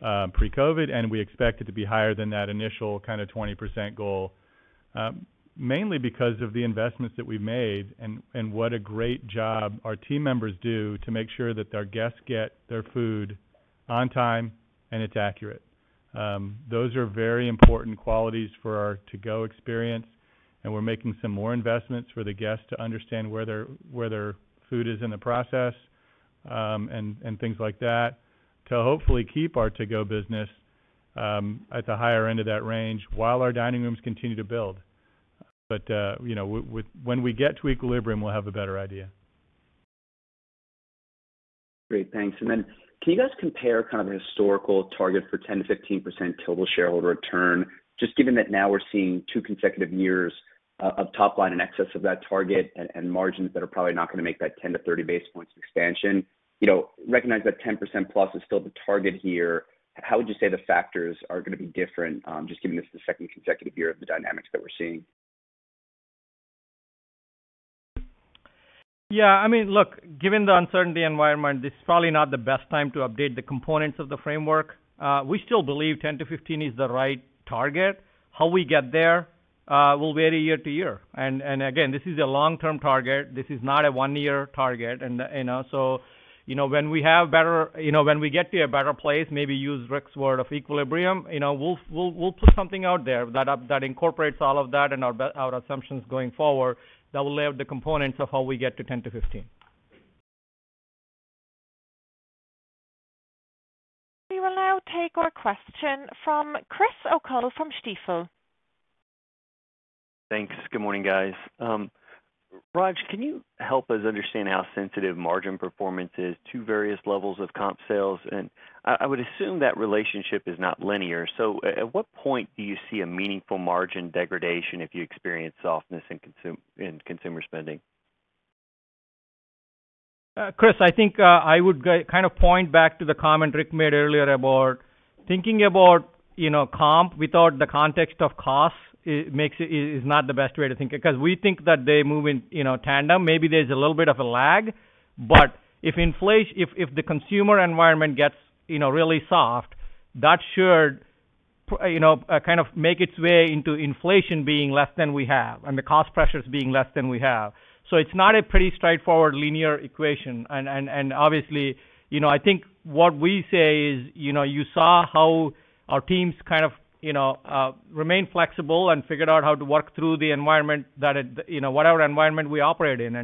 pre-COVID, and we expect it to be higher than that initial kinda 20% goal, mainly because of the investments that we made and what a great job our team members do to make sure that their guests get their food on time and it's accurate. Those are very important qualities for our to-go experience, and we're making some more investments for the guests to understand where their food is in the process, and things like that to hopefully keep our to-go business at the higher end of that range while our dining rooms continue to build. You know, when we get to equilibrium, we'll have a better idea. Great. Thanks. Can you guys compare kind of the historical target for 10%-15% total shareholder return, just given that now we're seeing two consecutive years of top line in excess of that target and margins that are probably not gonna make that 10-30 basis points expansion? You know, recognize that 10% plus is still the target here. How would you say the factors are gonna be different, just given this is the second consecutive year of the dynamics that we're seeing? Yeah. I mean, look, given the uncertainty environment, this is probably not the best time to update the components of the framework. We still believe 10%-15% is the right target. How we get there will vary year to year. And again, this is a long-term target. This is not a one-year target, and you know. You know, when we get to a better place, maybe use Rick's word of equilibrium, you know, we'll put something out there that incorporates all of that and our assumptions going forward that will lay out the components of how we get to 10%-15%. We will now take our question from Chris O'Cull from Stifel. Thanks. Good morning, guys. Raj, can you help us understand how sensitive margin performance is to various levels of comp sales? I would assume that relationship is not linear. At what point do you see a meaningful margin degradation if you experience softness in consumer spending? Chris, I think I would kind of point back to the comment Rick made earlier about thinking about, you know, comp without the context of cost, it makes it is not the best way to think it, because we think that they move in, you know, tandem. Maybe there's a little bit of a lag, but if the consumer environment gets, you know, really soft, that should, you know, kind of make its way into inflation being less than we have and the cost pressures being less than we have. It's not a pretty straightforward linear equation. Obviously, you know, I think what we say is, you know, you saw how our teams kind of, you know, remained flexible and figured out how to work through the environment that it, you know, whatever environment we operate in.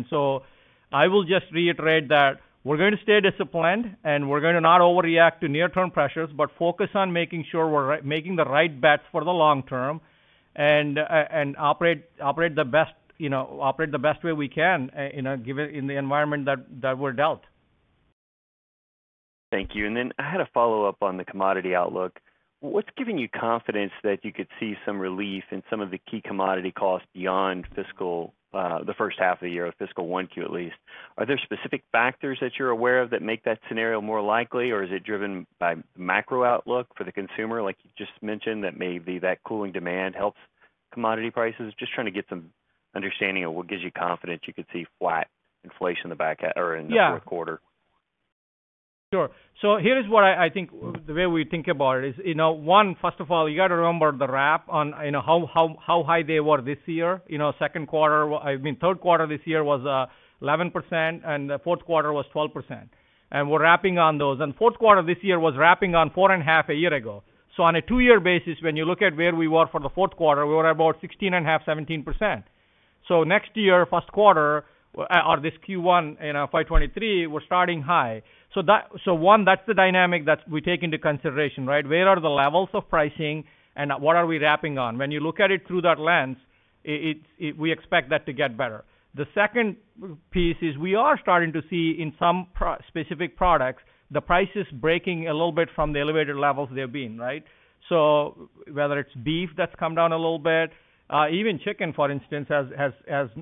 I will just reiterate that we're gonna stay disciplined, and we're gonna not overreact to near-term pressures, but focus on making sure we're making the right bets for the long term and operate the best, you know, operate the best way we can in the environment that we're dealt. Thank you. I had a follow-up on the commodity outlook. What's giving you confidence that you could see some relief in some of the key commodity costs beyond fiscal, the first half of the year of fiscal 1Q at least? Are there specific factors that you're aware of that make that scenario more likely, or is it driven by macro outlook for the consumer, like you just mentioned, that maybe that cooling demand helps commodity prices? Just trying to get some understanding of what gives you confidence you could see flat inflation in the back half or in the fourth quarter. Yeah. Sure. Here's what I think the way we think about it is, you know, one, first of all, you got to remember the wrap on, you know, how high they were this year. You know, second quarter, I mean, third quarter this year was 11%, and fourth quarter was 12%. We're wrapping on those. Fourth quarter this year was wrapping on 4.5% a year ago. On a two-year basis, when you look at where we were for the fourth quarter, we were about 16.5%, 17%. Next year, first quarter or this Q1 in our 2023, we're starting high. One, that's the dynamic that we take into consideration, right? Where are the levels of pricing and what are we wrapping on? When you look at it through that lens, we expect that to get better. The second piece is we are starting to see in some specific products, the prices breaking a little bit from the elevated levels they've been, right? So whether it's beef that's come down a little bit, even chicken, for instance,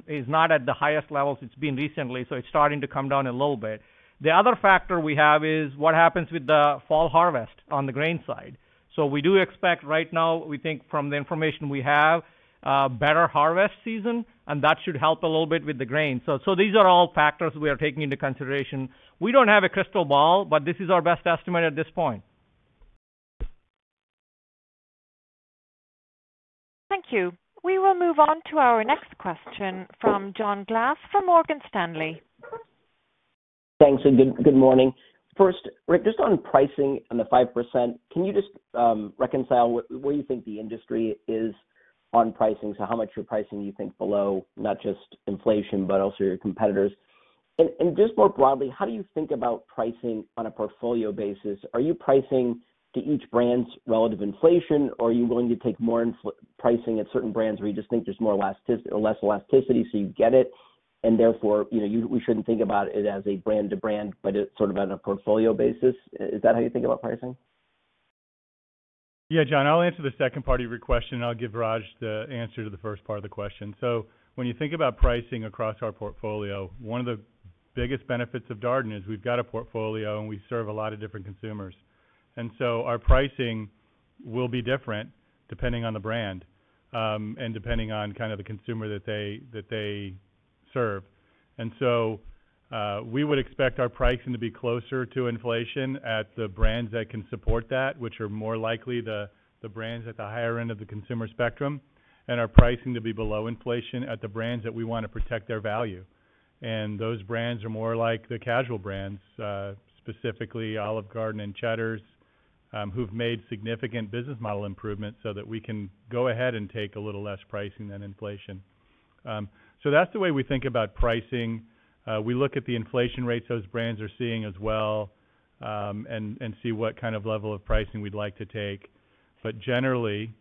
is not at the highest levels it's been recently, so it's starting to come down a little bit. The other factor we have is what happens with the fall harvest on the grain side. We do expect right now, we think from the information we have, a better harvest season, and that should help a little bit with the grain. So these are all factors we are taking into consideration. We don't have a crystal ball, but this is our best estimate at this point. Thank you. We will move on to our next question from John Glass from Morgan Stanley. Thanks, good morning. First, Rick, just on pricing and the 5%, can you just reconcile where you think the industry is on pricing? So how much you're pricing you think below not just inflation, but also your competitors. Just more broadly, how do you think about pricing on a portfolio basis? Are you pricing to each brand's relative inflation, or are you willing to take more pricing at certain brands where you just think there's more elastic or less elasticity so you get it, and therefore, you know, we shouldn't think about it as a brand to brand, but it's sort of on a portfolio basis. Is that how you think about pricing? Yeah, John, I'll answer the second part of your question, and I'll give Raj the answer to the first part of the question. When you think about pricing across our portfolio, one of the biggest benefits of Darden is we've got a portfolio, and we serve a lot of different consumers. Our pricing will be different depending on the brand, and depending on kind of the consumer that they serve. We would expect our pricing to be closer to inflation at the brands that can support that, which are more likely the brands at the higher end of the consumer spectrum, and our pricing to be below inflation at the brands that we want to protect their value. Those brands are more like the casual brands, specifically Olive Garden and Cheddar's, who've made significant business model improvements so that we can go ahead and take a little less pricing than inflation. That's the way we think about pricing. We look at the inflation rates those brands are seeing as well, and see what kind of level of pricing we'd like to take. Generally,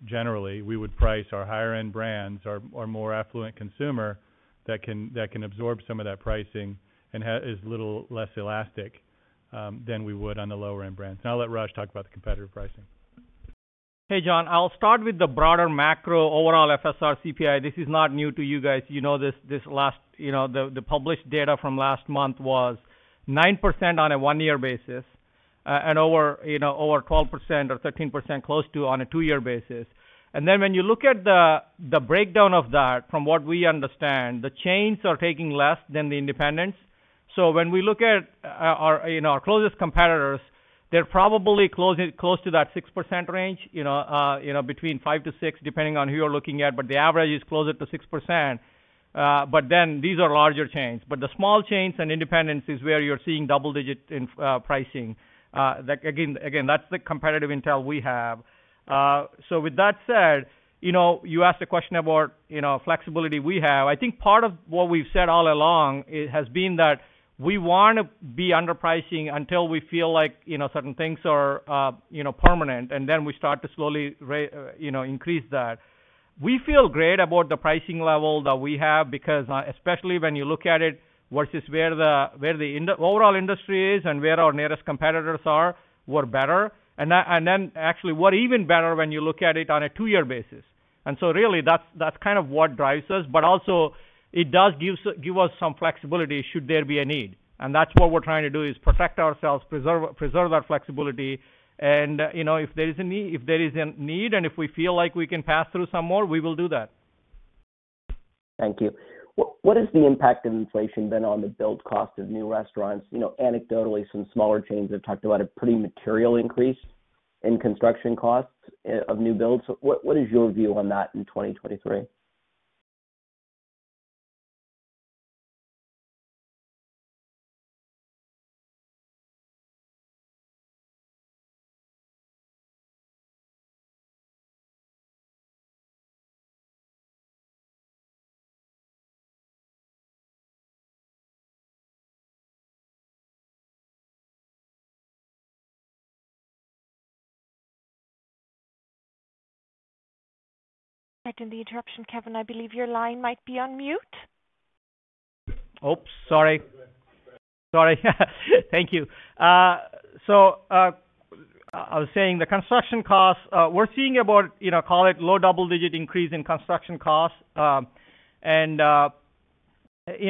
we would price our higher end brands or more affluent consumer that can absorb some of that pricing and is little less elastic than we would on the lower end brands. I'll let Raj talk about the competitive pricing. Hey, John. I'll start with the broader macro overall FSR CPI. This is not new to you guys. You know this. This last published data from last month was 9% on a one-year basis, and over, you know, over 12% or 13% close to on a two-year basis. When you look at the breakdown of that, from what we understand, the chains are taking less than the independents. When we look at our closest competitors, they're probably closing close to that 6% range, you know, between 5%-6%, depending on who you're looking at, but the average is closer to 6%. These are larger chains. The small chains and independents is where you're seeing double-digit pricing. That again, that's the competitive intel we have. With that said, you know, you asked a question about, you know, flexibility we have. I think part of what we've said all along, it has been that we want to be underpricing until we feel like, you know, certain things are, you know, permanent, and then we start to slowly, you know, increase that. We feel great about the pricing level that we have because, especially when you look at it versus where the, where the overall industry is and where our nearest competitors are, we're better. Then actually we're even better when you look at it on a two-year basis. So really, that's kind of what drives us. Also it does give us some flexibility should there be a need. That's what we're trying to do, is protect ourselves, preserve our flexibility. You know, if there is a need, and if we feel like we can pass through some more, we will do that. Thank you. What is the impact of inflation been on the build cost of new restaurants? You know, anecdotally, some smaller chains have talked about a pretty material increase in construction costs of new builds. What is your view on that in 2023? Pardon the interruption, Kevin. I believe your line might be on mute. Oops, sorry. Sorry. Thank you. I was saying the construction costs, we're seeing about, you know, call it low double-digit increase in construction costs. You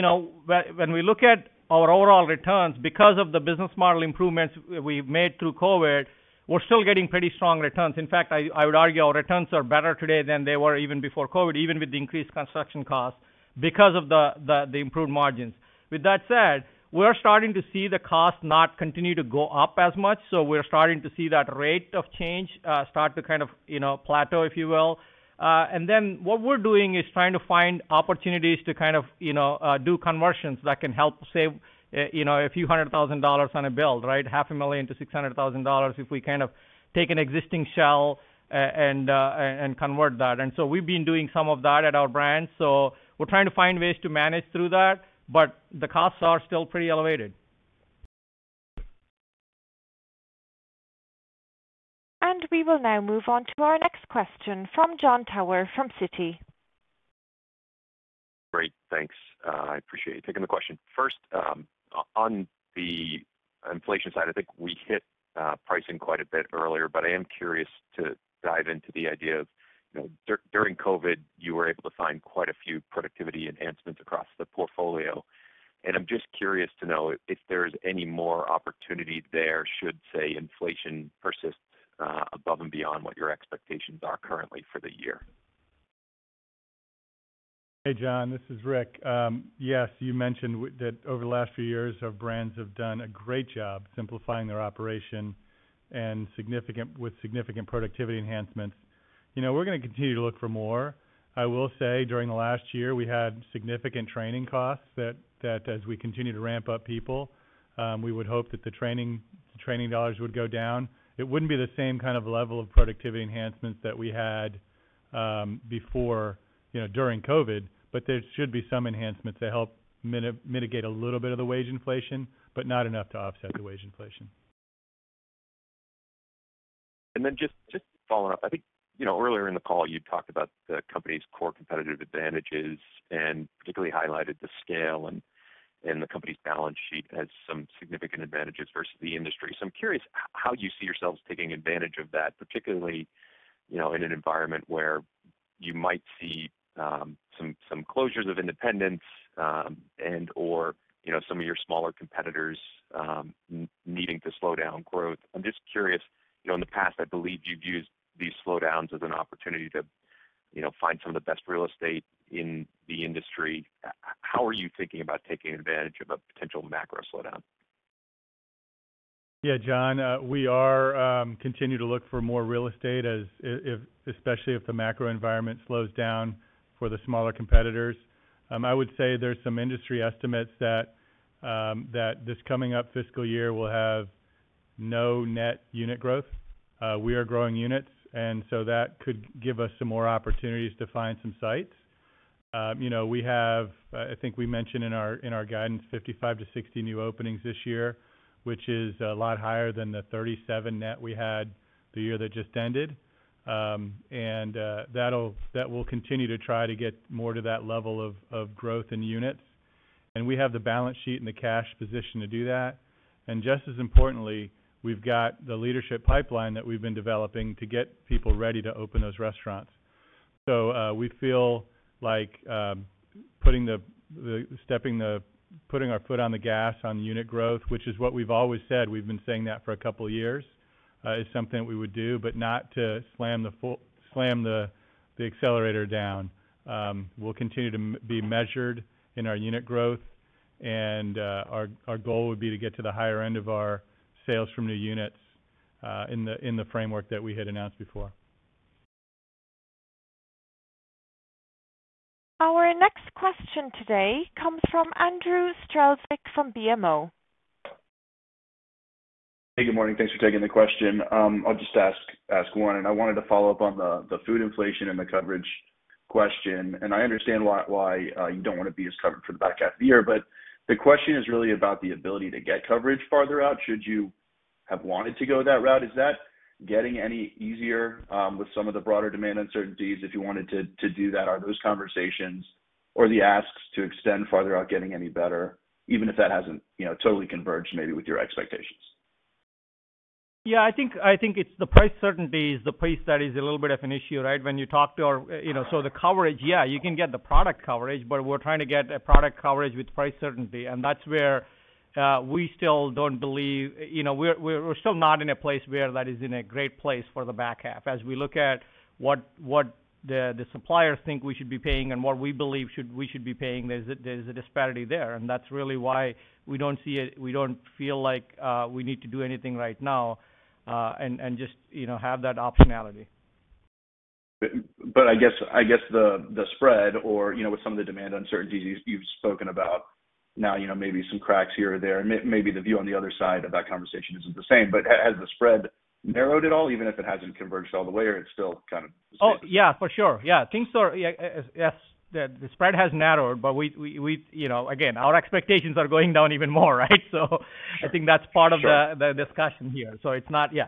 know, when we look at our overall returns because of the business model improvements we've made through COVID, we're still getting pretty strong returns. In fact, I would argue our returns are better today than they were even before COVID, even with the increased construction costs because of the improved margins. With that said, we're starting to see the costs not continue to go up as much, so we're starting to see that rate of change start to kind of, you know, plateau, if you will. What we're doing is trying to find opportunities to kind of, you know, do conversions that can help save, you know, a few hundred thousand dollars on a build, right? $500,000-$600,000 if we kind of take an existing shell and convert that. We've been doing some of that at our brands, so we're trying to find ways to manage through that, but the costs are still pretty elevated. We will now move on to our next question from Jon Tower from Citi. Great, thanks. I appreciate you taking the question. First, on the inflation side, I think we hit pricing quite a bit earlier, but I am curious to dive into the idea of, you know, during COVID, you were able to find quite a few productivity enhancements across the portfolio. I'm just curious to know if there's any more opportunity there should, say, inflation persist above and beyond what your expectations are currently for the year. Hey, John, this is Rick. Yes, you mentioned that over the last few years, our brands have done a great job simplifying their operations and with significant productivity enhancements. You know, we're gonna continue to look for more. I will say, during the last year, we had significant training costs that as we continue to ramp up people, we would hope that the training dollars would go down. It wouldn't be the same kind of level of productivity enhancements that we had before, you know, during COVID, but there should be some enhancements to help mitigate a little bit of the wage inflation, but not enough to offset the wage inflation. Then just following up, I think, you know, earlier in the call, you talked about the company's core competitive advantages and particularly highlighted the scale and the company's balance sheet as some significant advantages versus the industry. I'm curious how you see yourselves taking advantage of that, particularly, you know, in an environment where you might see some closures of independents and/or some of your smaller competitors needing to slow down growth. I'm just curious, you know, in the past I believe you've used these slowdowns as an opportunity to, you know, find some of the best real estate in the industry. How are you thinking about taking advantage of a potential macro slowdown? Yeah, John, we continue to look for more real estate as especially if the macro environment slows down for the smaller competitors. I would say there's some industry estimates that this coming up fiscal year will have no net unit growth. We are growing units, and so that could give us some more opportunities to find some sites. You know, we have I think we mentioned in our guidance 55-60 new openings this year, which is a lot higher than the 37 net we had the year that just ended. That we'll continue to try to get more to that level of growth in units. We have the balance sheet and the cash position to do that. Just as importantly, we've got the leadership pipeline that we've been developing to get people ready to open those restaurants. We feel like putting our foot on the gas on unit growth, which is what we've always said, we've been saying that for a couple years, is something we would do, but not to slam the accelerator down. We'll continue to be measured in our unit growth and our goal would be to get to the higher end of our sales from new units, in the framework that we had announced before. Our next question today comes from Andrew Strelzik from BMO. Hey, good morning. Thanks for taking the question. I'll just ask one, and I wanted to follow up on the food inflation and the coverage question. I understand why you don't wanna be as covered for the back half of the year. The question is really about the ability to get coverage farther out should you have wanted to go that route. Is that getting any easier with some of the broader demand uncertainties if you wanted to do that? Are those conversations or the asks to extend farther out getting any better, even if that hasn't you know totally converged maybe with your expectations? Yeah, I think it's the price certainty is the piece that is a little bit of an issue, right? You know, the coverage, yeah, you can get the product coverage, but we're trying to get a product coverage with price certainty. That's where we're still not in a place where that is in a great place for the back half. As we look at what the suppliers think we should be paying and what we believe we should be paying, there's a disparity there. That's really why we don't feel like we need to do anything right now, and just, you know, have that optionality. I guess the spread or, you know, with some of the demand uncertainties you've spoken about now, you know, maybe some cracks here or there, and maybe the view on the other side of that conversation isn't the same. Has the spread narrowed at all, even if it hasn't converged all the way, or it's still kind of the same? Oh, yeah, for sure. Yeah. Yes, the spread has narrowed, but we, you know. Again, our expectations are going down even more, right? I think that's part of the- Sure. -the discussion here. It's not. Yeah.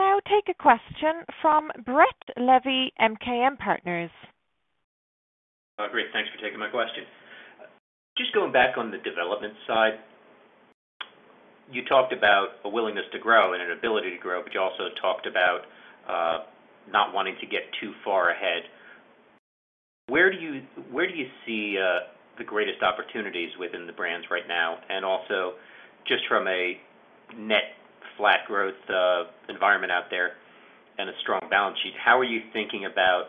I'll take a question from Brett Levy, MKM Partners. Great. Thanks for taking my question. Just going back on the development side, you talked about a willingness to grow and an ability to grow, but you also talked about not wanting to get too far ahead. Where do you see the greatest opportunities within the brands right now? Also just from a net flat growth environment out there and a strong balance sheet, how are you thinking about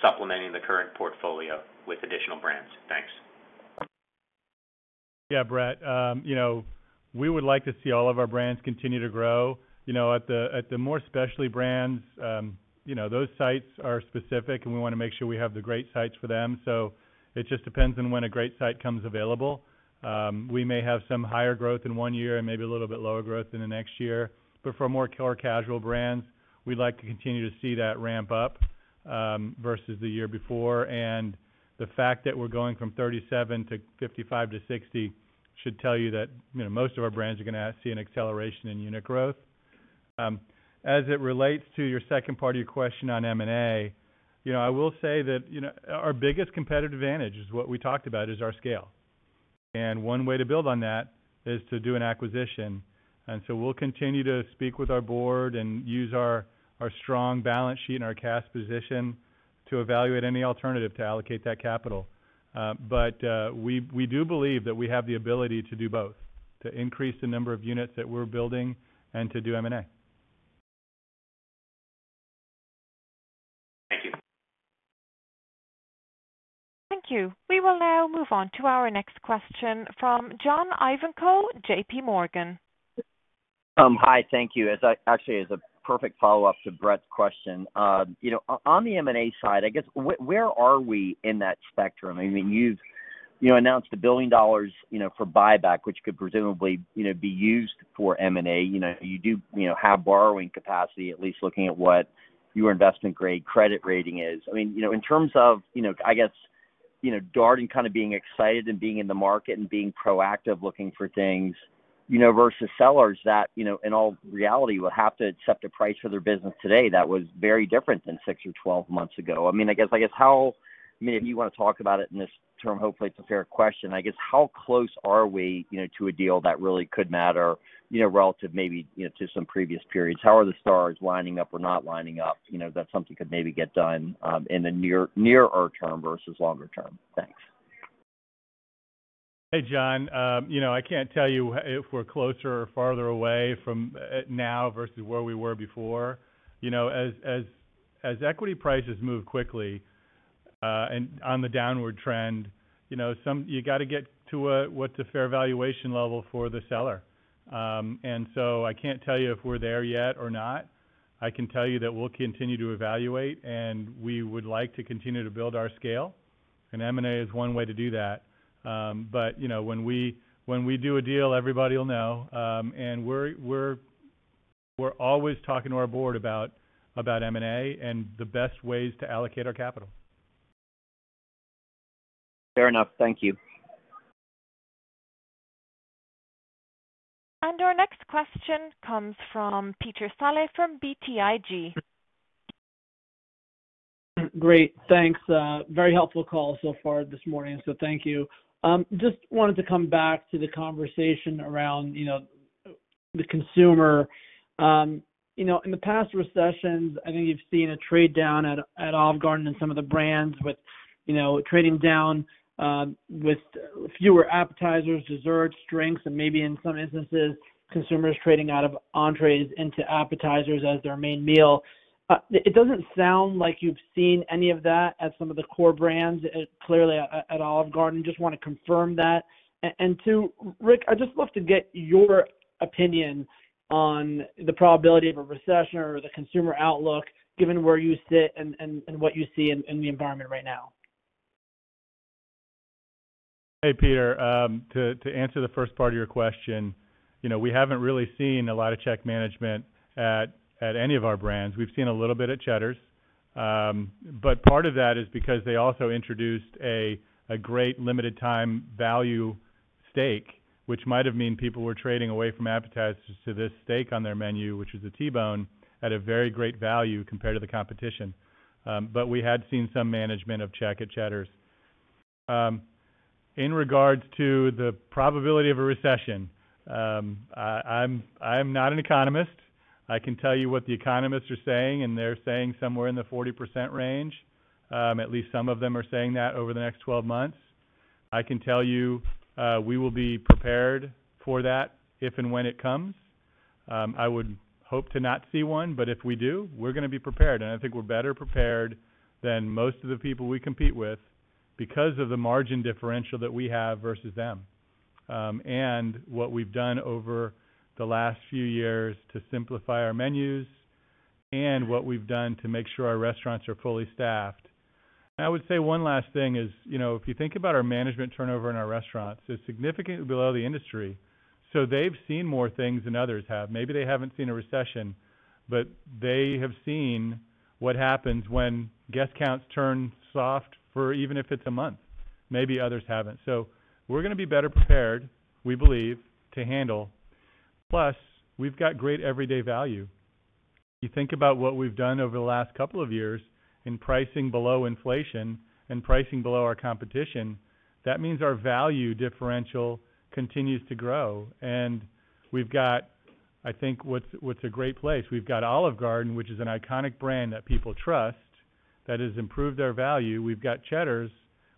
supplementing the current portfolio with additional brands? Thanks. Yeah, Brett. You know, we would like to see all of our brands continue to grow. You know, at the more specialty brands, you know, those sites are specific, and we wanna make sure we have the great sites for them. It just depends on when a great site comes available. We may have some higher growth in one year and maybe a little bit lower growth in the next year. For more core casual brands, we'd like to continue to see that ramp up versus the year before. The fact that we're going from 37 to 55 to 60 should tell you that, you know, most of our brands are gonna see an acceleration in unit growth. As it relates to your second part of your question on M&A, you know, I will say that, you know, our biggest competitive advantage is what we talked about is our scale. One way to build on that is to do an acquisition. We'll continue to speak with our board and use our strong balance sheet and our cash position to evaluate any alternative to allocate that capital. We do believe that we have the ability to do both, to increase the number of units that we're building and to do M&A. Thank you. Thank you. We will now move on to our next question from John Ivankoe, JPMorgan. Hi. Thank you. Actually, as a perfect follow-up to Brett's question. You know, on the M&A side, I guess where are we in that spectrum? I mean, you've, you know, announced $1 billion for buyback, which could presumably, you know, be used for M&A. You know, you do, you know, have borrowing capacity, at least looking at what your investment grade credit rating is. I mean, you know, in terms of, you know, I guess, you know, Darden kind of being excited and being in the market and being proactive, looking for things, you know, versus sellers that, you know, in all reality, will have to accept a price for their business today that was very different than six or 12 months ago. I mean, I guess how. I mean, if you wanna talk about it in this term, hopefully it's a fair question. I guess, how close are we, you know, to a deal that really could matter, you know, relative maybe, you know, to some previous periods? How are the stars lining up or not lining up? You know, that something could maybe get done in the near, nearer term versus longer term. Thanks. Hey, John. You know, I can't tell you if we're closer or farther away from now versus where we were before. You know, as equity prices move quickly and on the downward trend, you know, you got to get to a, what's a fair valuation level for the seller. I can't tell you if we're there yet or not. I can tell you that we'll continue to evaluate and we would like to continue to build our scale. M&A is one way to do that. You know, when we do a deal, everybody will know. We're always talking to our board about M&A and the best ways to allocate our capital. Fair enough. Thank you. Our next question comes from Peter Saleh from BTIG. Great, thanks. Very helpful call so far this morning, so thank you. Just wanted to come back to the conversation around, you know, the consumer. You know, in the past recessions, I think you've seen a trade down at Olive Garden and some of the brands with, you know, trading down, with fewer appetizers, desserts, drinks, and maybe in some instances, consumers trading out of entrees into appetizers as their main meal. It doesn't sound like you've seen any of that at some of the core brands, clearly at Olive Garden. Just want to confirm that. Two, Rick, I'd just love to get your opinion on the probability of a recession or the consumer outlook given where you sit and what you see in the environment right now. Hey, Peter. To answer the first part of your question, you know, we haven't really seen a lot of check management at any of our brands. We've seen a little bit at Cheddar's. But part of that is because they also introduced a great limited time value steak, which might have meant people were trading away from appetizers to this steak on their menu, which is a T-bone at a very great value compared to the competition. But we had seen some management of check at Cheddar's. In regards to the probability of a recession, I'm not an economist. I can tell you what the economists are saying, and they're saying somewhere in the 40% range, at least some of them are saying that over the next twelve months. I can tell you, we will be prepared for that if and when it comes. I would hope to not see one, but if we do, we're gonna be prepared. I think we're better prepared than most of the people we compete with because of the margin differential that we have versus them, and what we've done over the last few years to simplify our menus and what we've done to make sure our restaurants are fully staffed. I would say one last thing is, you know, if you think about our management turnover in our restaurants is significantly below the industry. They've seen more things than others have. Maybe they haven't seen a recession, but they have seen what happens when guest counts turn soft for even if it's a month. Maybe others haven't. We're gonna be better prepared, we believe, to handle. Plus, we've got great everyday value. You think about what we've done over the last couple of years in pricing below inflation and pricing below our competition, that means our value differential continues to grow. We've got, I think, what's a great place. We've got Olive Garden, which is an iconic brand that people trust, that has improved our value. We've got Cheddar's,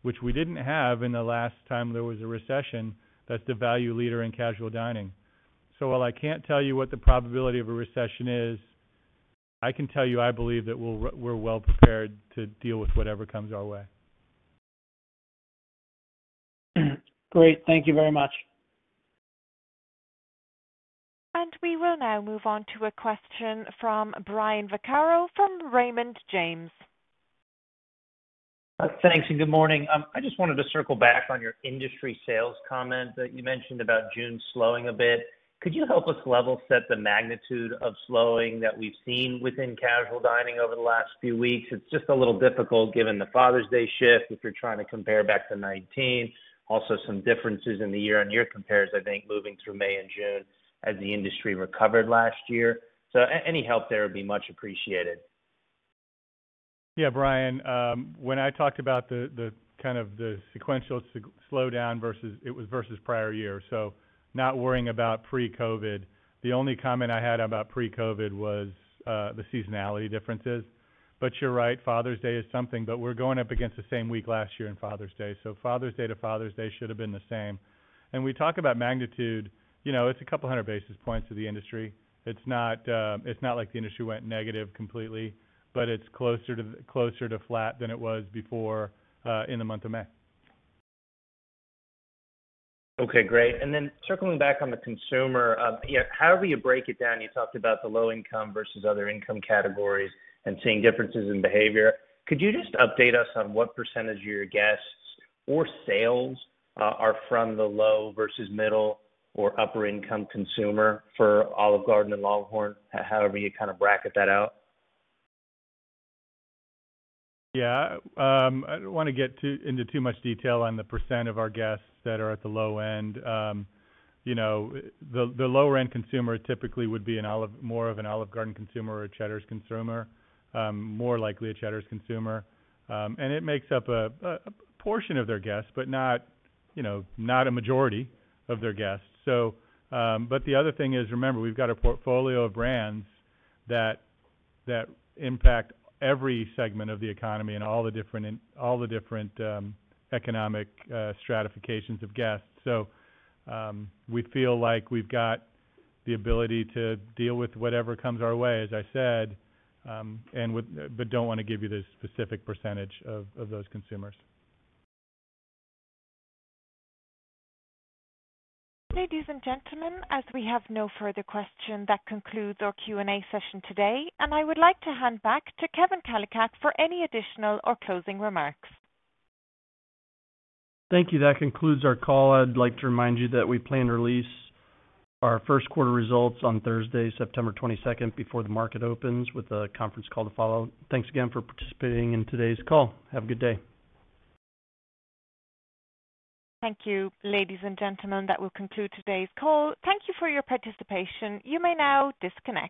which we didn't have in the last time there was a recession. That's the value leader in casual dining. While I can't tell you what the probability of a recession is, I can tell you I believe that we're well prepared to deal with whatever comes our way. Great. Thank you very much. We will now move on to a question from Brian Vaccaro from Raymond James. Thanks, and good morning. I just wanted to circle back on your industry sales comment that you mentioned about June slowing a bit. Could you help us level set the magnitude of slowing that we've seen within casual dining over the last few weeks? It's just a little difficult given the Father's Day shift, if you're trying to compare back to 2019. Also some differences in the year-on-year compares, I think, moving through May and June as the industry recovered last year. Any help there would be much appreciated. Yeah, Brian, when I talked about the kind of sequential slowdown versus prior year, so not worrying about pre-COVID. The only comment I had about pre-COVID was the seasonality differences. You're right, Father's Day is something. We're going up against the same week last year in Father's Day, so Father's Day to Father's Day should have been the same. We talk about magnitude, you know, it's a couple hundred basis points to the industry. It's not like the industry went negative completely. It's closer to flat than it was before, in the month of May. Okay, great. Circling back on the consumer, yeah, however you break it down, you talked about the low income versus other income categories and seeing differences in behavior. Could you just update us on what percentage of your guests or sales are from the low versus middle or upper income consumer for Olive Garden and LongHorn? However you kind of bracket that out. Yeah. I don't wanna get into too much detail on the percent of our guests that are at the low end. You know, the lower end consumer typically would be more of an Olive Garden consumer or a Cheddar's consumer, more likely a Cheddar's consumer. It makes up a portion of their guests, but not, you know, not a majority of their guests. But the other thing is, remember, we've got a portfolio of brands that impact every segment of the economy and all the different economic stratifications of guests. We feel like we've got the ability to deal with whatever comes our way, as I said, but don't wanna give you the specific percentage of those consumers. Ladies and gentlemen, as we have no further question, that concludes our Q&A session today, and I would like to hand back to Kevin Kalicak for any additional or closing remarks. Thank you. That concludes our call. I'd like to remind you that we plan to release our first quarter results on Thursday, September twenty-second, before the market opens with a conference call to follow. Thanks again for participating in today's call. Have a good day. Thank you. Ladies and gentlemen, that will conclude today's call. Thank you for your participation. You may now disconnect.